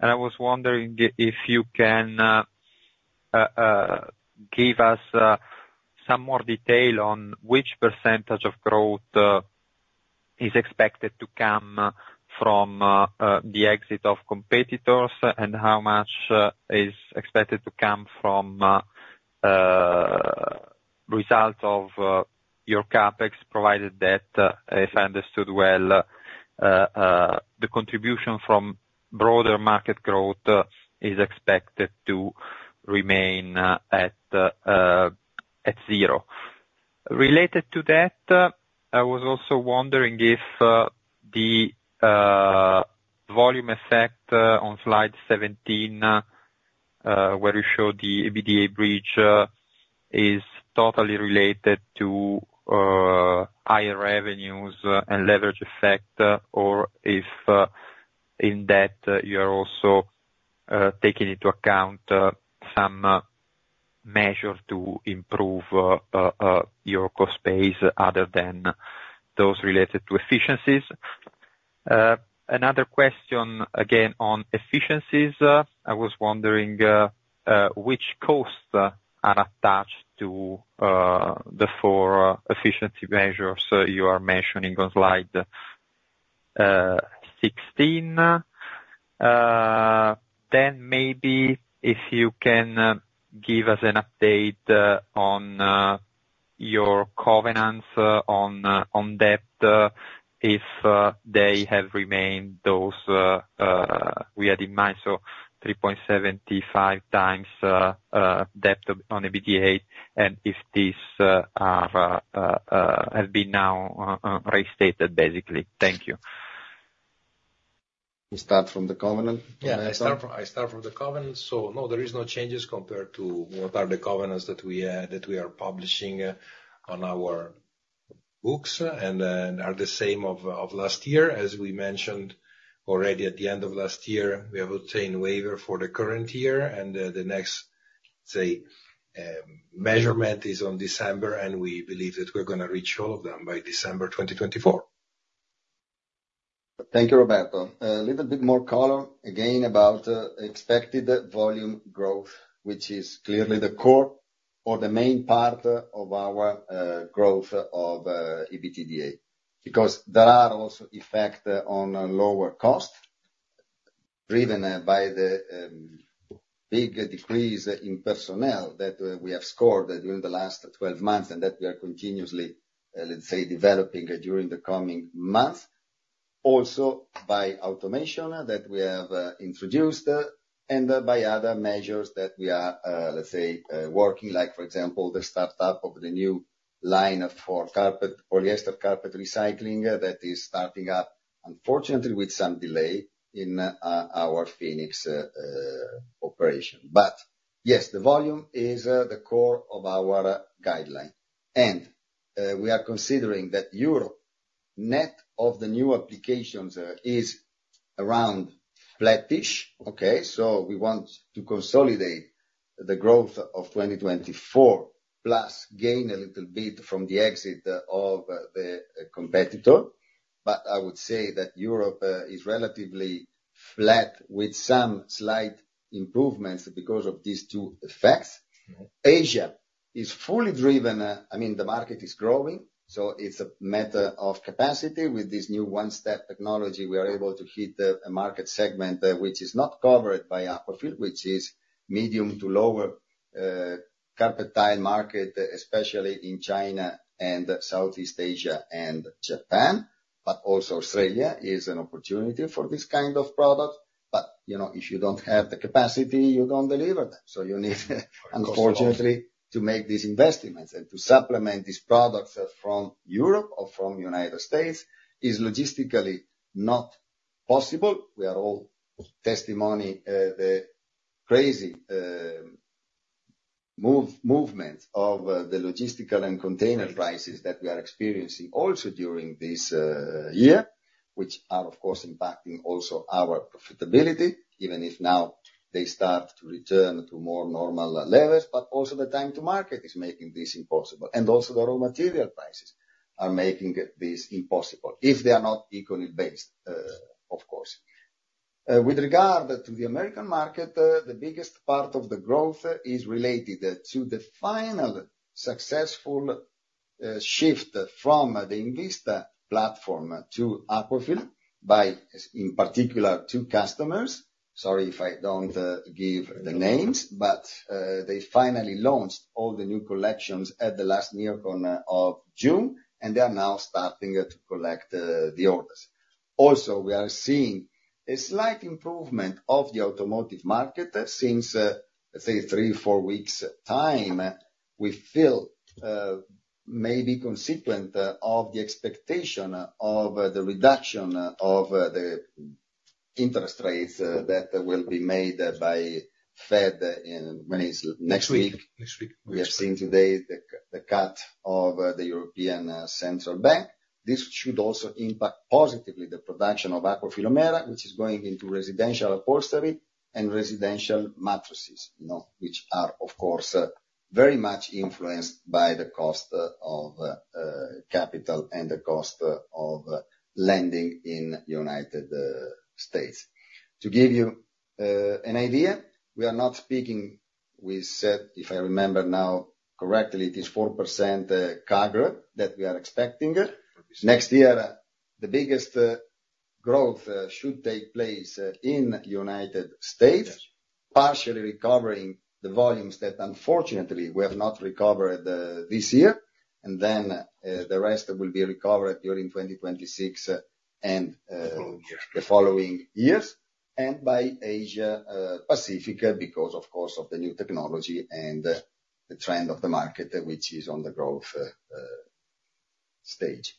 I was wondering if you can give us some more detail on which % of growth is expected to come from the exit of competitors, and how much is expected to come from results of your CapEx, provided that, if I understood well, the contribution from broader market growth is expected to remain at zero. Related to that, I was also wondering if the volume effect on slide 17, where you show the EBITDA bridge, is totally related to higher revenues and leverage effect, or if in that, you're also taking into account some measures to improve your cost base other than those related to efficiencies. Another question, again, on efficiencies. I was wondering which costs are attached to the four efficiency measures you are mentioning on slide 16. Maybe if you can give us an update on your covenants on debt, if they have remained those we had in mind, so 3.75 times debt on EBITDA, and if these have been now restated, basically. Thank you. We start from the covenant? I start from the covenant. No, there are no changes compared to what are the covenants that we are publishing on our books, and are the same of last year. As we mentioned already at the end of last year, we have obtained waiver for the current year. The next, say, measurement is on December, and we believe that we are going to reach all of them by December 2024. Thank you, Roberto. A little bit more color again about expected volume growth, which is clearly the core or the main part of our growth of EBITDA, because there are also effects on lower cost, driven by the big decrease in personnel that we have scored during the last 12 months, and that we are continuously developing during the coming months. Also, by automation that we have introduced, and by other measures that we are working, like for example, the startup of the new line for polyester carpet recycling that is starting up, unfortunately with some delay in our Phoenix operation. Yes, the volume is the core of our guideline. We are considering that Europe, net of the new applications, is around flattish. We want to consolidate the growth of 2024, plus gain a little bit from the exit of the competitor. I would say that Europe is relatively flat with some slight improvements because of these two effects. Asia is fully driven. The market is growing, it is a matter of capacity. With this new OneStep technology, we are able to hit a market segment which is not covered by Aquafil, which is medium to lower carpet tile market, especially in China and Southeast Asia and Japan. Also Australia is an opportunity for this kind of product. If you don't have the capacity, you don't deliver them. You need. Cost a lot To supplement these products from Europe or from U.S. is logistically not possible. We are all testimony the crazy movement of the logistical and container prices that we are experiencing also during this year, which are, of course, impacting also our profitability, even if now they start to return to more normal levels. Also the time to market is making this impossible, and also the raw material prices are making this impossible if they are not ECONYL-based, of course. With regard to the American market, the biggest part of the growth is related to the final successful shift from the INVISTA platform to Aquafil by, in particular, two customers. Sorry if I don't give the names, but they finally launched all the new collections at the last NeoCon of June, and they are now starting to collect the orders. We are seeing a slight improvement of the automotive market since, let's say, three, four weeks time, we feel may be consequent of the expectation of the reduction of the interest rates that will be made by Fed when it's next week. Next week. We have seen today the cut of the European Central Bank. This should also impact positively the production of Aquafil O'Mara, which is going into residential upholstery and residential mattresses, which are, of course, very much influenced by the cost of capital and the cost of lending in the U.S. To give you an idea, we are not speaking, we said, if I remember now correctly, it is 4% CAGR that we are expecting. Next year, the biggest growth should take place in the U.S., partially recovering the volumes that unfortunately we have not recovered this year. The rest will be recovered during 2026 and the following years, and by Asia Pacific because, of course, of the new technology and the trend of the market, which is on the growth stage.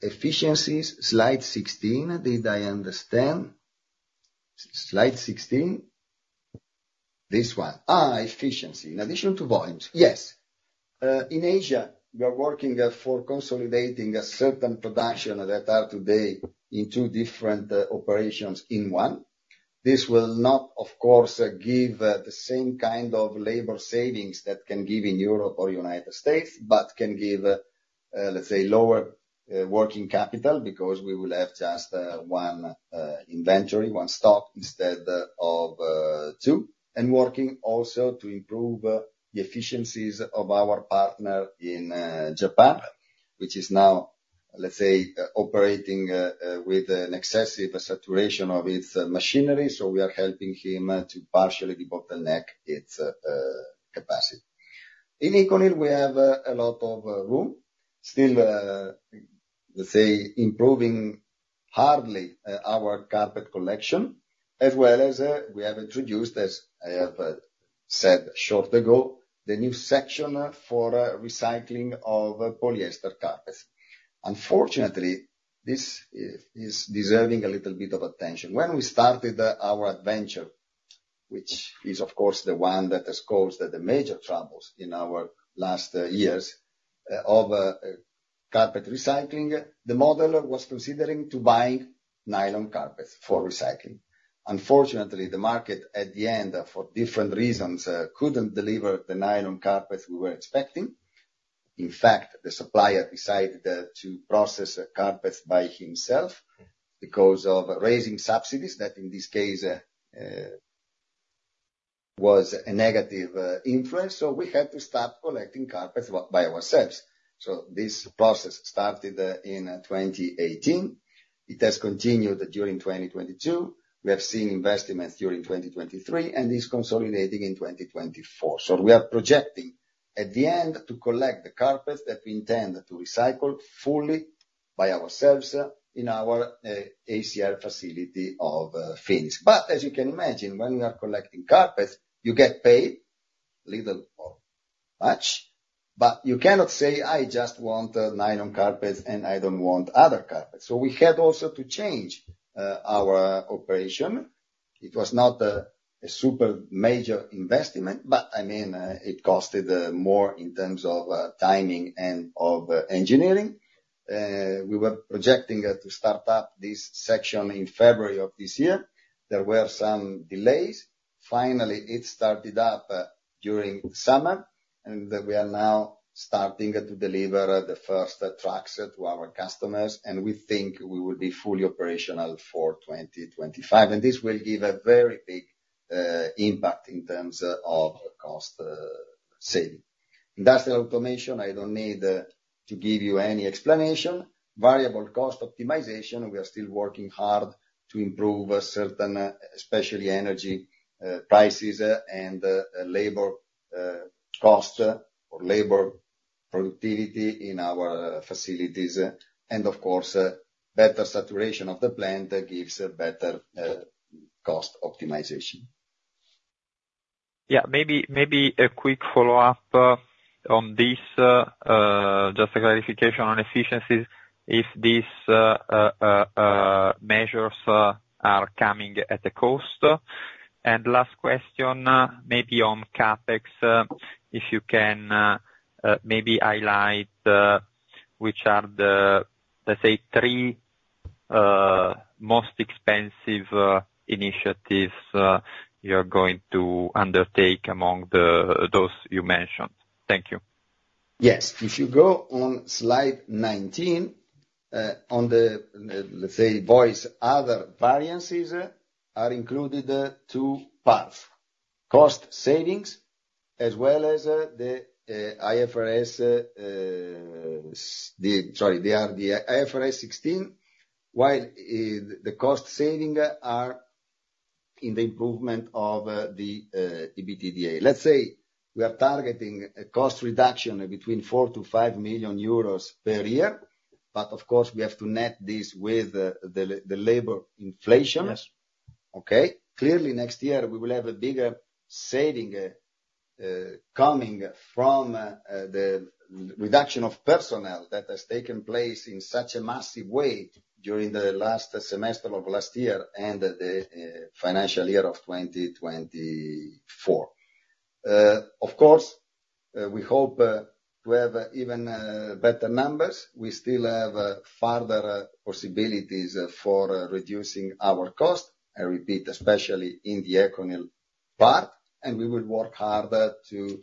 Efficiencies, slide 16, did I understand? Slide 16. This one. Efficiency. In addition to volumes. Yes. In Asia, we are working for consolidating a certain production that are today in two different operations in one. This will not, of course, give the same kind of labor savings that can give in Europe or U.S., but can give, let's say, lower working capital because we will have just one inventory, one stock instead of two, and working also to improve the efficiencies of our partner in Japan, which is now, let's say, operating with an excessive saturation of its machinery. We are helping him to partially bottleneck its capacity. In ECONYL, we have a lot of room still, let's say, improving hardly our Aquafil Carpet Collection, as well as we have introduced, as I have said shortly ago, the new section for recycling of polyester carpets. Unfortunately, this is deserving a little bit of attention. When we started our adventure, which is, of course, the one that has caused the major troubles in our last years of carpet recycling, the model was considering to buying nylon carpets for recycling. Unfortunately, the market at the end, for different reasons, couldn't deliver the nylon carpets we were expecting. In fact, the supplier decided to process carpets by himself because of raising subsidies that, in this case, was a negative influence. We had to start collecting carpets by ourselves. This process started in 2018. It has continued during 2022. We have seen investments during 2023, and is consolidating in 2024. We are projecting at the end to collect the carpets that we intend to recycle fully by ourselves in our ACR facility of Phoenix. As you can imagine, when you are collecting carpets, you get paid little or much, but you cannot say, "I just want nylon carpets and I don't want other carpets." We had also to change our operation. It was not a super major investment, but it costed more in terms of timing and of engineering. We were projecting to start up this section in February of this year. There were some delays. Finally, it started up during the summer, and we are now starting to deliver the first trucks to our customers, and we think we will be fully operational for 2025. This will give a very big impact in terms of cost saving. Industrial automation, I don't need to give you any explanation. Variable cost optimization, we are still working hard to improve certain, especially energy prices and labor cost or labor productivity in our facilities. Of course, better saturation of the plant gives better cost optimization. Yeah. Maybe a quick follow-up on this, just a clarification on efficiencies, if these measures are coming at a cost. Last question, maybe on CapEx, if you can maybe highlight which are the, let's say, three most expensive initiatives you're going to undertake among those you mentioned. Thank you. Yes. If you go on slide 19, on the, let's say, voice other variances, are included two parts, cost savings as well as the IFRS Sorry, they are the IFRS 16, while the cost saving are in the improvement of the EBITDA. Let's say we are targeting a cost reduction between 4 million to 5 million euros per year, of course, we have to net this with the labor inflation. Yes. Okay. Clearly, next year we will have a bigger saving coming from the reduction of personnel that has taken place in such a massive way during the last semester of last year and the financial year of 2024. Of course, we hope to have even better numbers. We still have further possibilities for reducing our cost, I repeat, especially in the ECONYL part, we will work harder to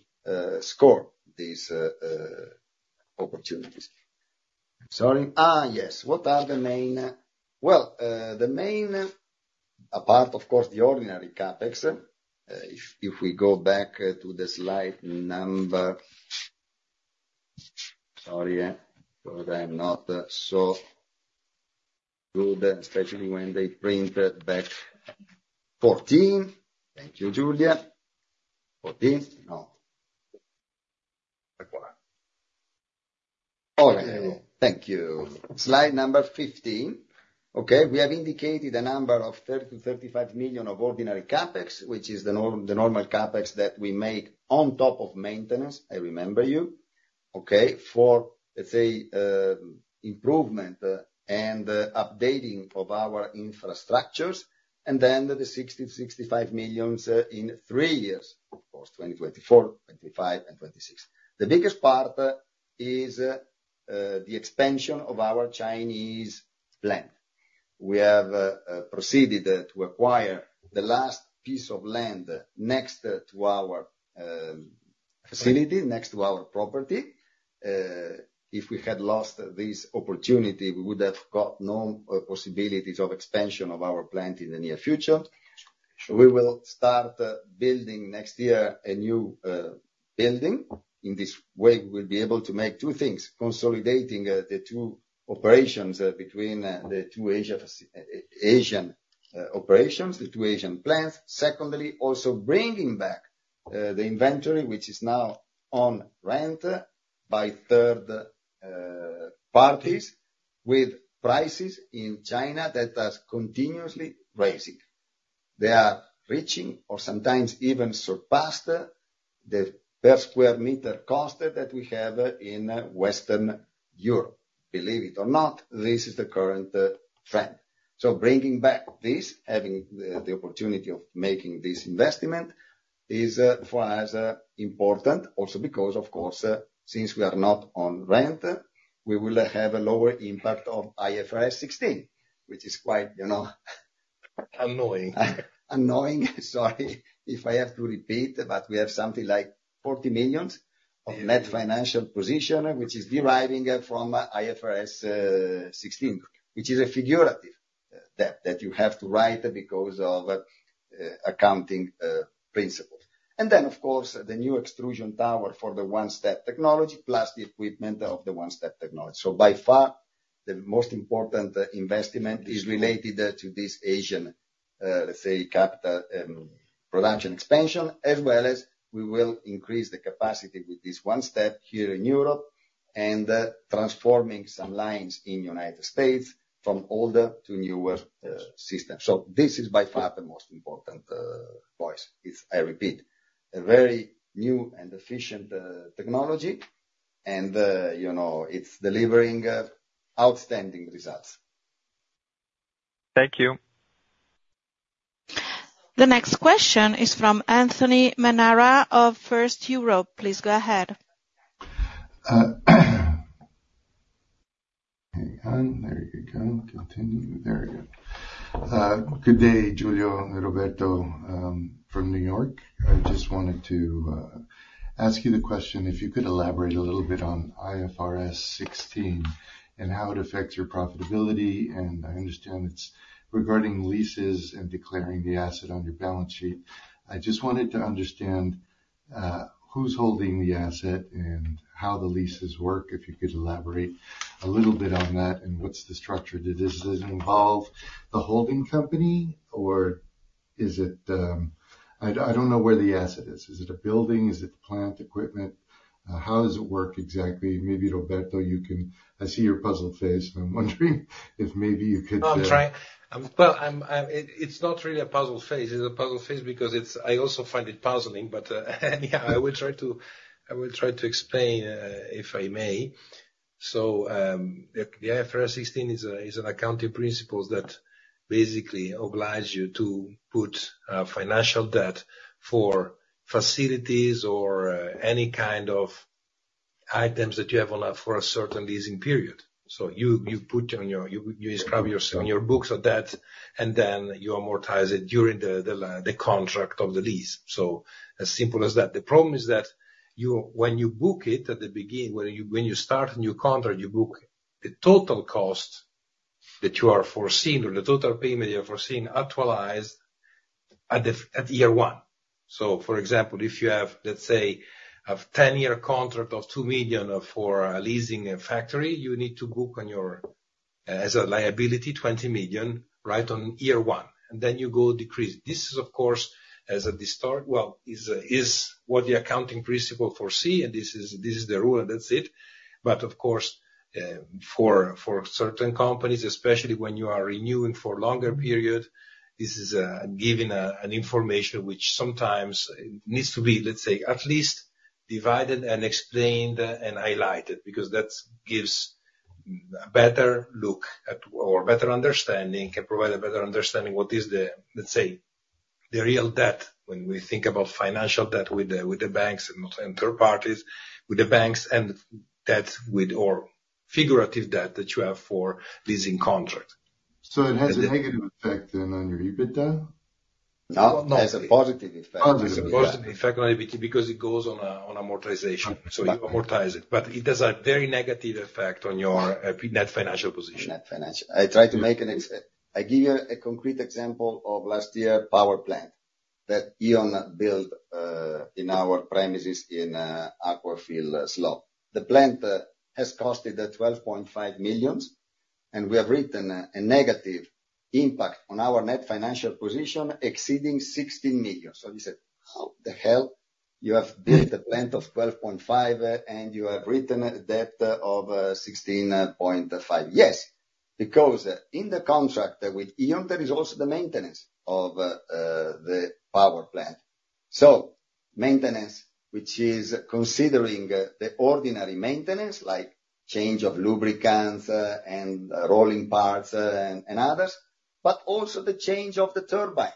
score these opportunities. Sorry. Yes. What are the main Well, the main, apart of course, the ordinary CapEx, if we go back to the slide number Sorry, I'm not so good, especially when they print back. 14. Thank you, Giulia. 14. No. That one. All right. Thank you. Slide number 15. Okay. We have indicated a number of 30 million to 35 million of ordinary CapEx, which is the normal CapEx that we make on top of maintenance, I remind you. Okay. For, let's say, improvement and updating of our infrastructures, the 60 million-65 million in three years. Of course, 2024, 2025, and 2026. The biggest part is the expansion of our Chinese plant. We have proceeded to acquire the last piece of land next to our facility, next to our property. If we had lost this opportunity, we would have got no possibilities of expansion of our plant in the near future. We will start building next year a new building. In this way, we will be able to make two things, consolidating the two operations between the two Asian operations, the two Asian plants. Secondly, also bringing back the inventory, which is now on rent by third parties with prices in China that are continuously rising. They are reaching or sometimes even surpassing the per square meter cost that we have in Western Europe. Believe it or not, this is the current trend. Bringing back this, having the opportunity of making this investment is for us important also because, of course, since we are not on rent, we will have a lower impact of IFRS 16, which is quite. Annoying. Annoying. Sorry if I have to repeat, we have something like 40 million of net financial position, which is deriving from IFRS 16, which is a figurative debt that you have to write because of accounting principles. Of course, the new extrusion tower for the OneStep technology plus the equipment of the OneStep technology. By far, the most important investment is related to this Asian, let's say, capital production expansion, as well as we will increase the capacity with this OneStep here in Europe and transforming some lines in U.S. from older to newer systems. This is by far the most important voice is, I repeat, a very new and efficient technology and it's delivering outstanding results. Thank you. The next question is from Anthony Manara of First Europe. Please go ahead. Hang on. There you go. Continue. There we go. Good day, Giulio, Roberto, from New York. I just wanted to ask you the question, if you could elaborate a little bit on IFRS 16 and how it affects your profitability. I understand it's regarding leases and declaring the asset on your balance sheet. I just wanted to understand who's holding the asset and how the leases work. If you could elaborate a little bit on that and what's the structure. Does this involve the holding company? I don't know where the asset is. Is it a building? Is it the plant equipment? How does it work exactly? Maybe, Roberto, I see your puzzled face, and I'm wondering if maybe you could. No, I'm trying. Well, it's not really a puzzled face. It's a puzzled face because I also find it puzzling. Yeah, I will try to explain, if I may. The IFRS 16 is an accounting principle that basically obliges you to put financial debt for facilities or any kind of items that you have for a certain leasing period. You inscribe in your books a debt, and then you amortize it during the contract of the lease. As simple as that. The problem is that when you book it at the beginning, when you start a new contract, you book the total cost that you are foreseeing or the total payment you are foreseeing actualized at year one. For example, if you have, let's say, a 10-year contract of 2 million for leasing a factory, you need to book on your As a liability, 20 million right on year one, and then you go decrease. This is, of course, as a distort Well, is what the accounting principle foresee, and this is the rule, and that's it. Of course, for certain companies, especially when you are renewing for longer period, this is giving an information which sometimes needs to be, let's say, at least divided and explained and highlighted because that gives a better look or better understanding, can provide a better understanding what is the, let's say, the real debt when we think about financial debt with the banks and not third parties, with the banks and or figurative debt that you have for leasing contract. It has a negative effect on your EBITDA? No, it has a positive effect. It has a positive effect on EBITDA because it goes on amortization. You amortize it. It has a very negative effect on your net financial position. Net financial. I give you a concrete example of last year power plant that E.ON built in our premises in Aquafil Slovenija. The plant has costed 12.5 million, and we have written a negative impact on our net financial position exceeding 16 million. You say, "How the hell you have built a plant of 12.5, and you have written a debt of 16.5?" Yes, because in the contract with E.ON, there is also the maintenance of the power plant. Maintenance, which is considering the ordinary maintenance, like change of lubricants and rolling parts and others, but also the change of the turbine.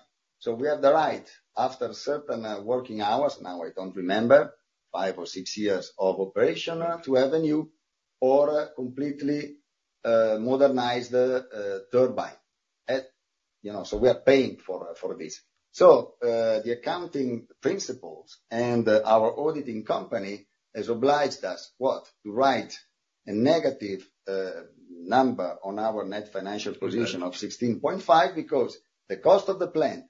We have the right, after certain working hours, now I don't remember, five or six years of operation to have a new or completely modernized turbine. We are paying for this. The accounting principles and our auditing company has obliged us, what? To write a negative number on our net financial position of 16.5 because the cost of the plant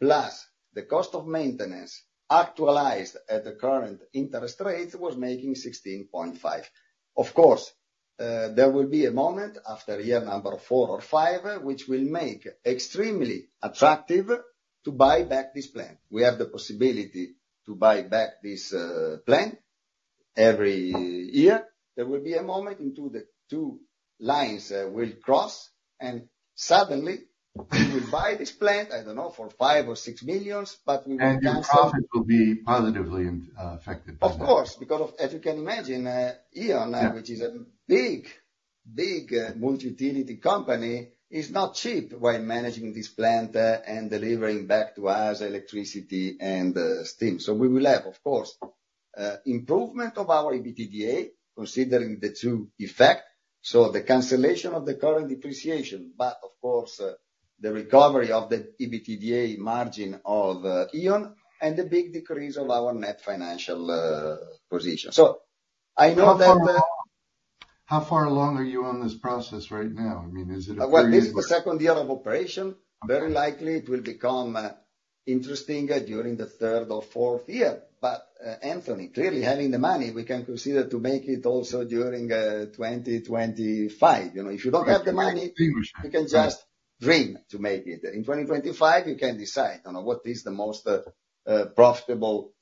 plus the cost of maintenance actualized at the current interest rates was making 16.5. There will be a moment after year number 4 or 5, which will make extremely attractive to buy back this plant. We have the possibility to buy back this plant every year. There will be a moment in two lines will cross, suddenly we will buy this plant, I don't know, for 5 million or 6 million, but we will cancel. Your profit will be positively affected by that. Because as you can imagine, E.ON, which is a big multi-utility company, is not cheap when managing this plant and delivering back to us electricity and steam. We will have, of course, improvement of our EBITDA, considering the two effects, the cancellation of the current depreciation, but of course, the recovery of the EBITDA margin of E.ON and the big decrease of our net financial position. I know that. How far along are you on this process right now? I mean, is it a period where. Well, this is the second year of operation. Very likely it will become interesting during the third or fourth year. Anthony, clearly having the money, we can consider to make it also during 2025. If you don't have the money, you can just dream to make it. In 2025, you can decide on what is the most profitable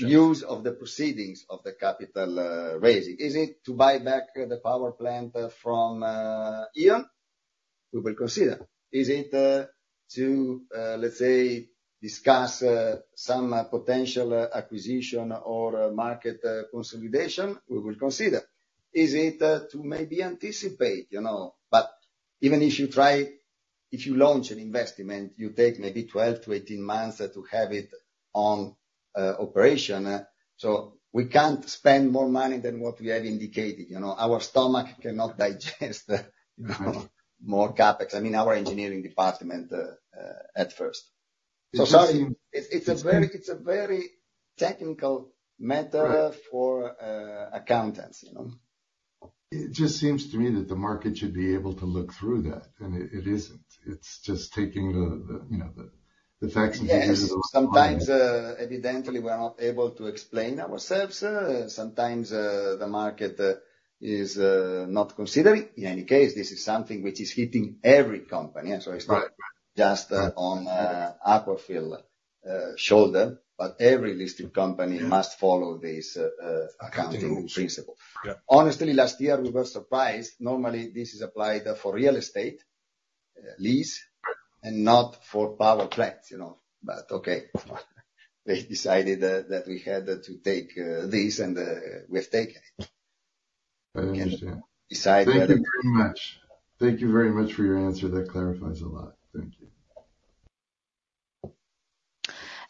use of the proceedings of the capital raising. Is it to buy back the power plant from E.ON? We will consider. Is it to, let's say, discuss some potential acquisition or market consolidation? We will consider. Is it to maybe anticipate? Even if you launch an investment, you take maybe 12 to 18 months to have it on operation. We can't spend more money than what we have indicated. Our stomach cannot digest more CapEx. I mean, our engineering department at first. Sorry. It's a very technical matter for accountants. It just seems to me that the market should be able to look through that, and it isn't. It's just taking the facts in front of. Yes. Sometimes, evidently, we are not able to explain ourselves. Sometimes, the market is not considering. In any case, this is something which is hitting every company. It's not just on Aquafil shoulder, but every listed company must follow this accounting principle. Yeah. Honestly, last year, we were surprised. Normally, this is applied for real estate lease and not for power plants. Okay. They decided that we had to take this, we have taken it. I understand. We can decide whether. Thank you very much. Thank you very much for your answer. That clarifies a lot. Thank you.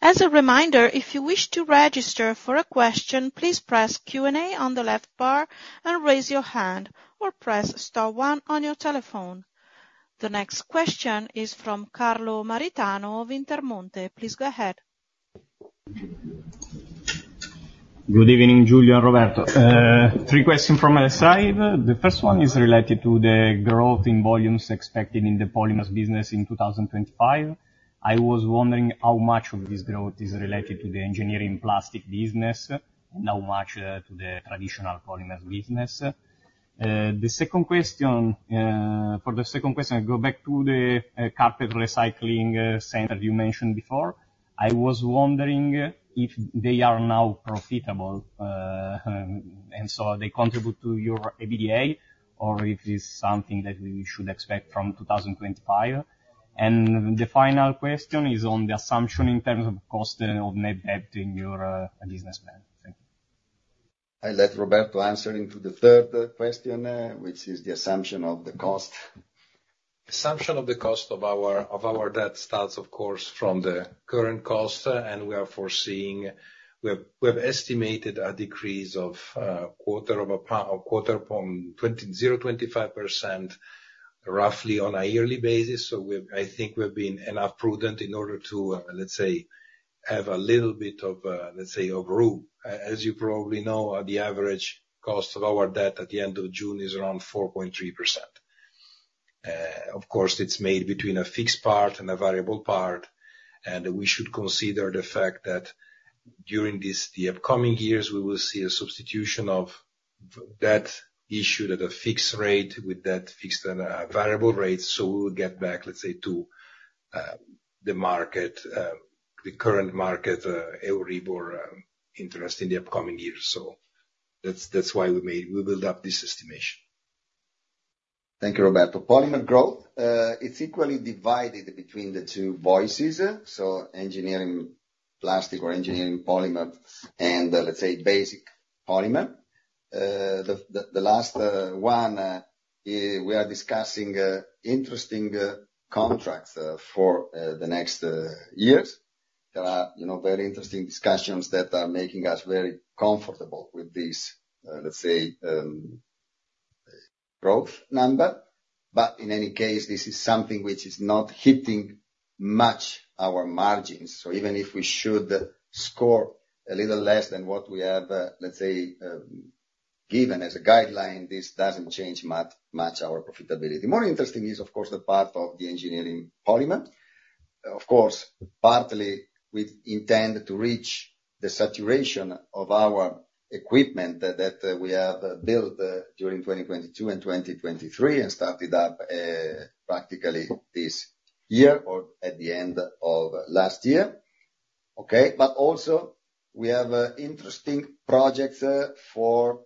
As a reminder, if you wish to register for a question, please press Q&A on the left bar and raise your hand or press star one on your telephone. The next question is from Carlo Maritano of Intermonte. Please go ahead. Good evening, Giulio and Roberto. Three questions from my side. The first one is related to the growth in volumes expected in the polymers business in 2025. I was wondering how much of this growth is related to the engineering plastic business and how much to the traditional polymers business. The second question, I go back to the carpet recycling center you mentioned before. I was wondering if they are now profitable, and they contribute to your EBITDA, or if it's something that we should expect from 2025. The final question is on the assumption in terms of cost of net debt in your business plan. Thank you. I let Roberto answer into the third question, which is the assumption of the cost. Assumption of the cost of our debt starts, of course, from the current cost, we have estimated a decrease of quarter from 0.25%, roughly on a yearly basis. I think we've been enough prudent in order to, let's say, have a little bit of room. As you probably know, the average cost of our debt at the end of June is around 4.3%. Of course, it's made between a fixed part and a variable part, we should consider the fact that during the upcoming years, we will see a substitution of debt issued at a fixed rate with that fixed and variable rate, we will get back, let's say, to the current market, Euribor interest in the upcoming years. That's why we build up this estimation. Thank you, Roberto. Polymer growth, it's equally divided between the two types. Engineering plastic or engineering polymer and, let's say, basic polymer. The last one, we are discussing interesting contracts for the next years. There are very interesting discussions that are making us very comfortable with this, let's say, growth number. In any case, this is something which is not hitting much our margins. Even if we should score a little less than what we have, let's say, given as a guideline, this doesn't change much our profitability. More interesting is, of course, the part of the engineering polymer. Partly, we intend to reach the saturation of our equipment that we have built during 2022 and 2023 and started up practically this year or at the end of last year. Okay. Also we have interesting projects for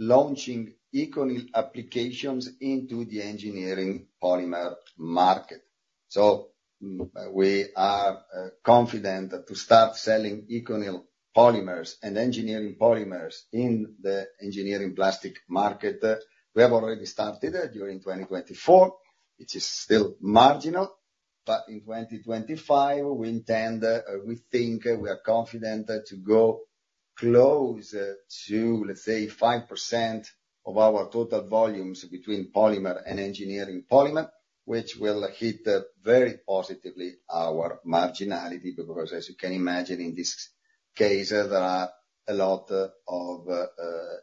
launching ECONYL applications into the engineering polymer market. We are confident to start selling ECONYL polymers and engineering polymers in the engineering plastic market. We have already started during 2024, which is still marginal, but in 2025, we intend, we think, we are confident to go close to, let's say, 5% of our total volumes between polymer and engineering polymer, which will hit very positively our marginality, because as you can imagine, in this case, there are a lot of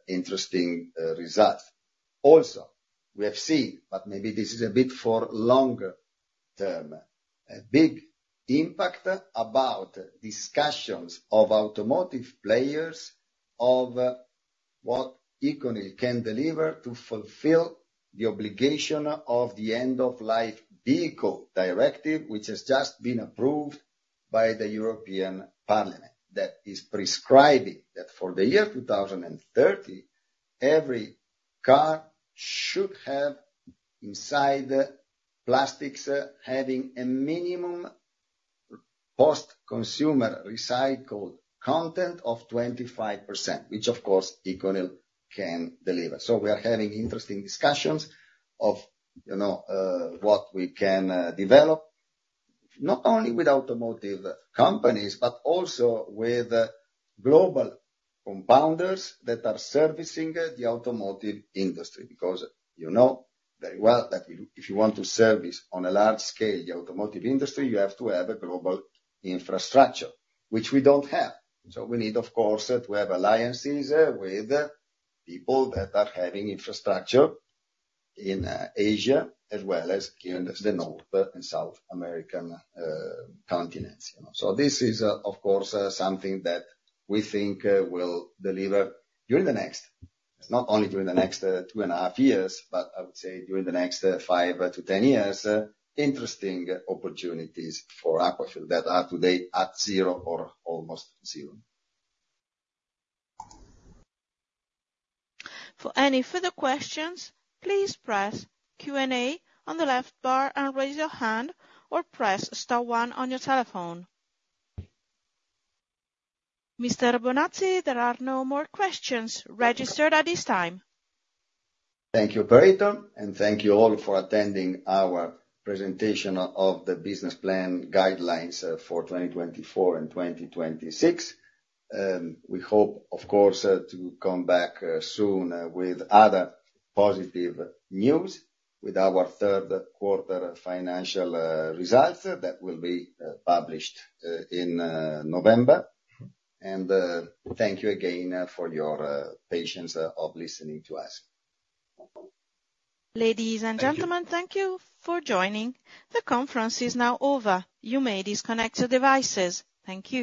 interesting results. We have seen, but maybe this is a bit for longer term, a big impact about discussions of automotive players of what ECONYL can deliver to fulfill the obligation of the End-of-Life Vehicles Directive, which has just been approved by the European Parliament, that is prescribing that for the year 2030, every car should have inside plastics having a minimum post-consumer recycled content of 25%, which, of course, ECONYL can deliver. We are having interesting discussions of what we can develop, not only with automotive companies, but also with global compounders that are servicing the automotive industry. You know very well that if you want to service on a large scale the automotive industry, you have to have a global infrastructure, which we don't have. We need, of course, to have alliances with people that are having infrastructure in Asia as well as the North and South American continents. This is, of course, something that we think will deliver during the next It's not only during the next two and a half years, but I would say during the next five to 10 years, interesting opportunities for Aquafil that are today at zero or almost zero. For any further questions, please press Q&A on the left bar and raise your hand, or press star one on your telephone. Mr. Bonazzi, there are no more questions registered at this time. Thank you, operator, thank you all for attending our presentation of the business plan guidelines for 2024 and 2026. We hope, of course, to come back soon with other positive news with our third quarter financial results that will be published in November. Thank you again for your patience of listening to us. Ladies and gentlemen, thank you for joining. The conference is now over. You may disconnect your devices. Thank you.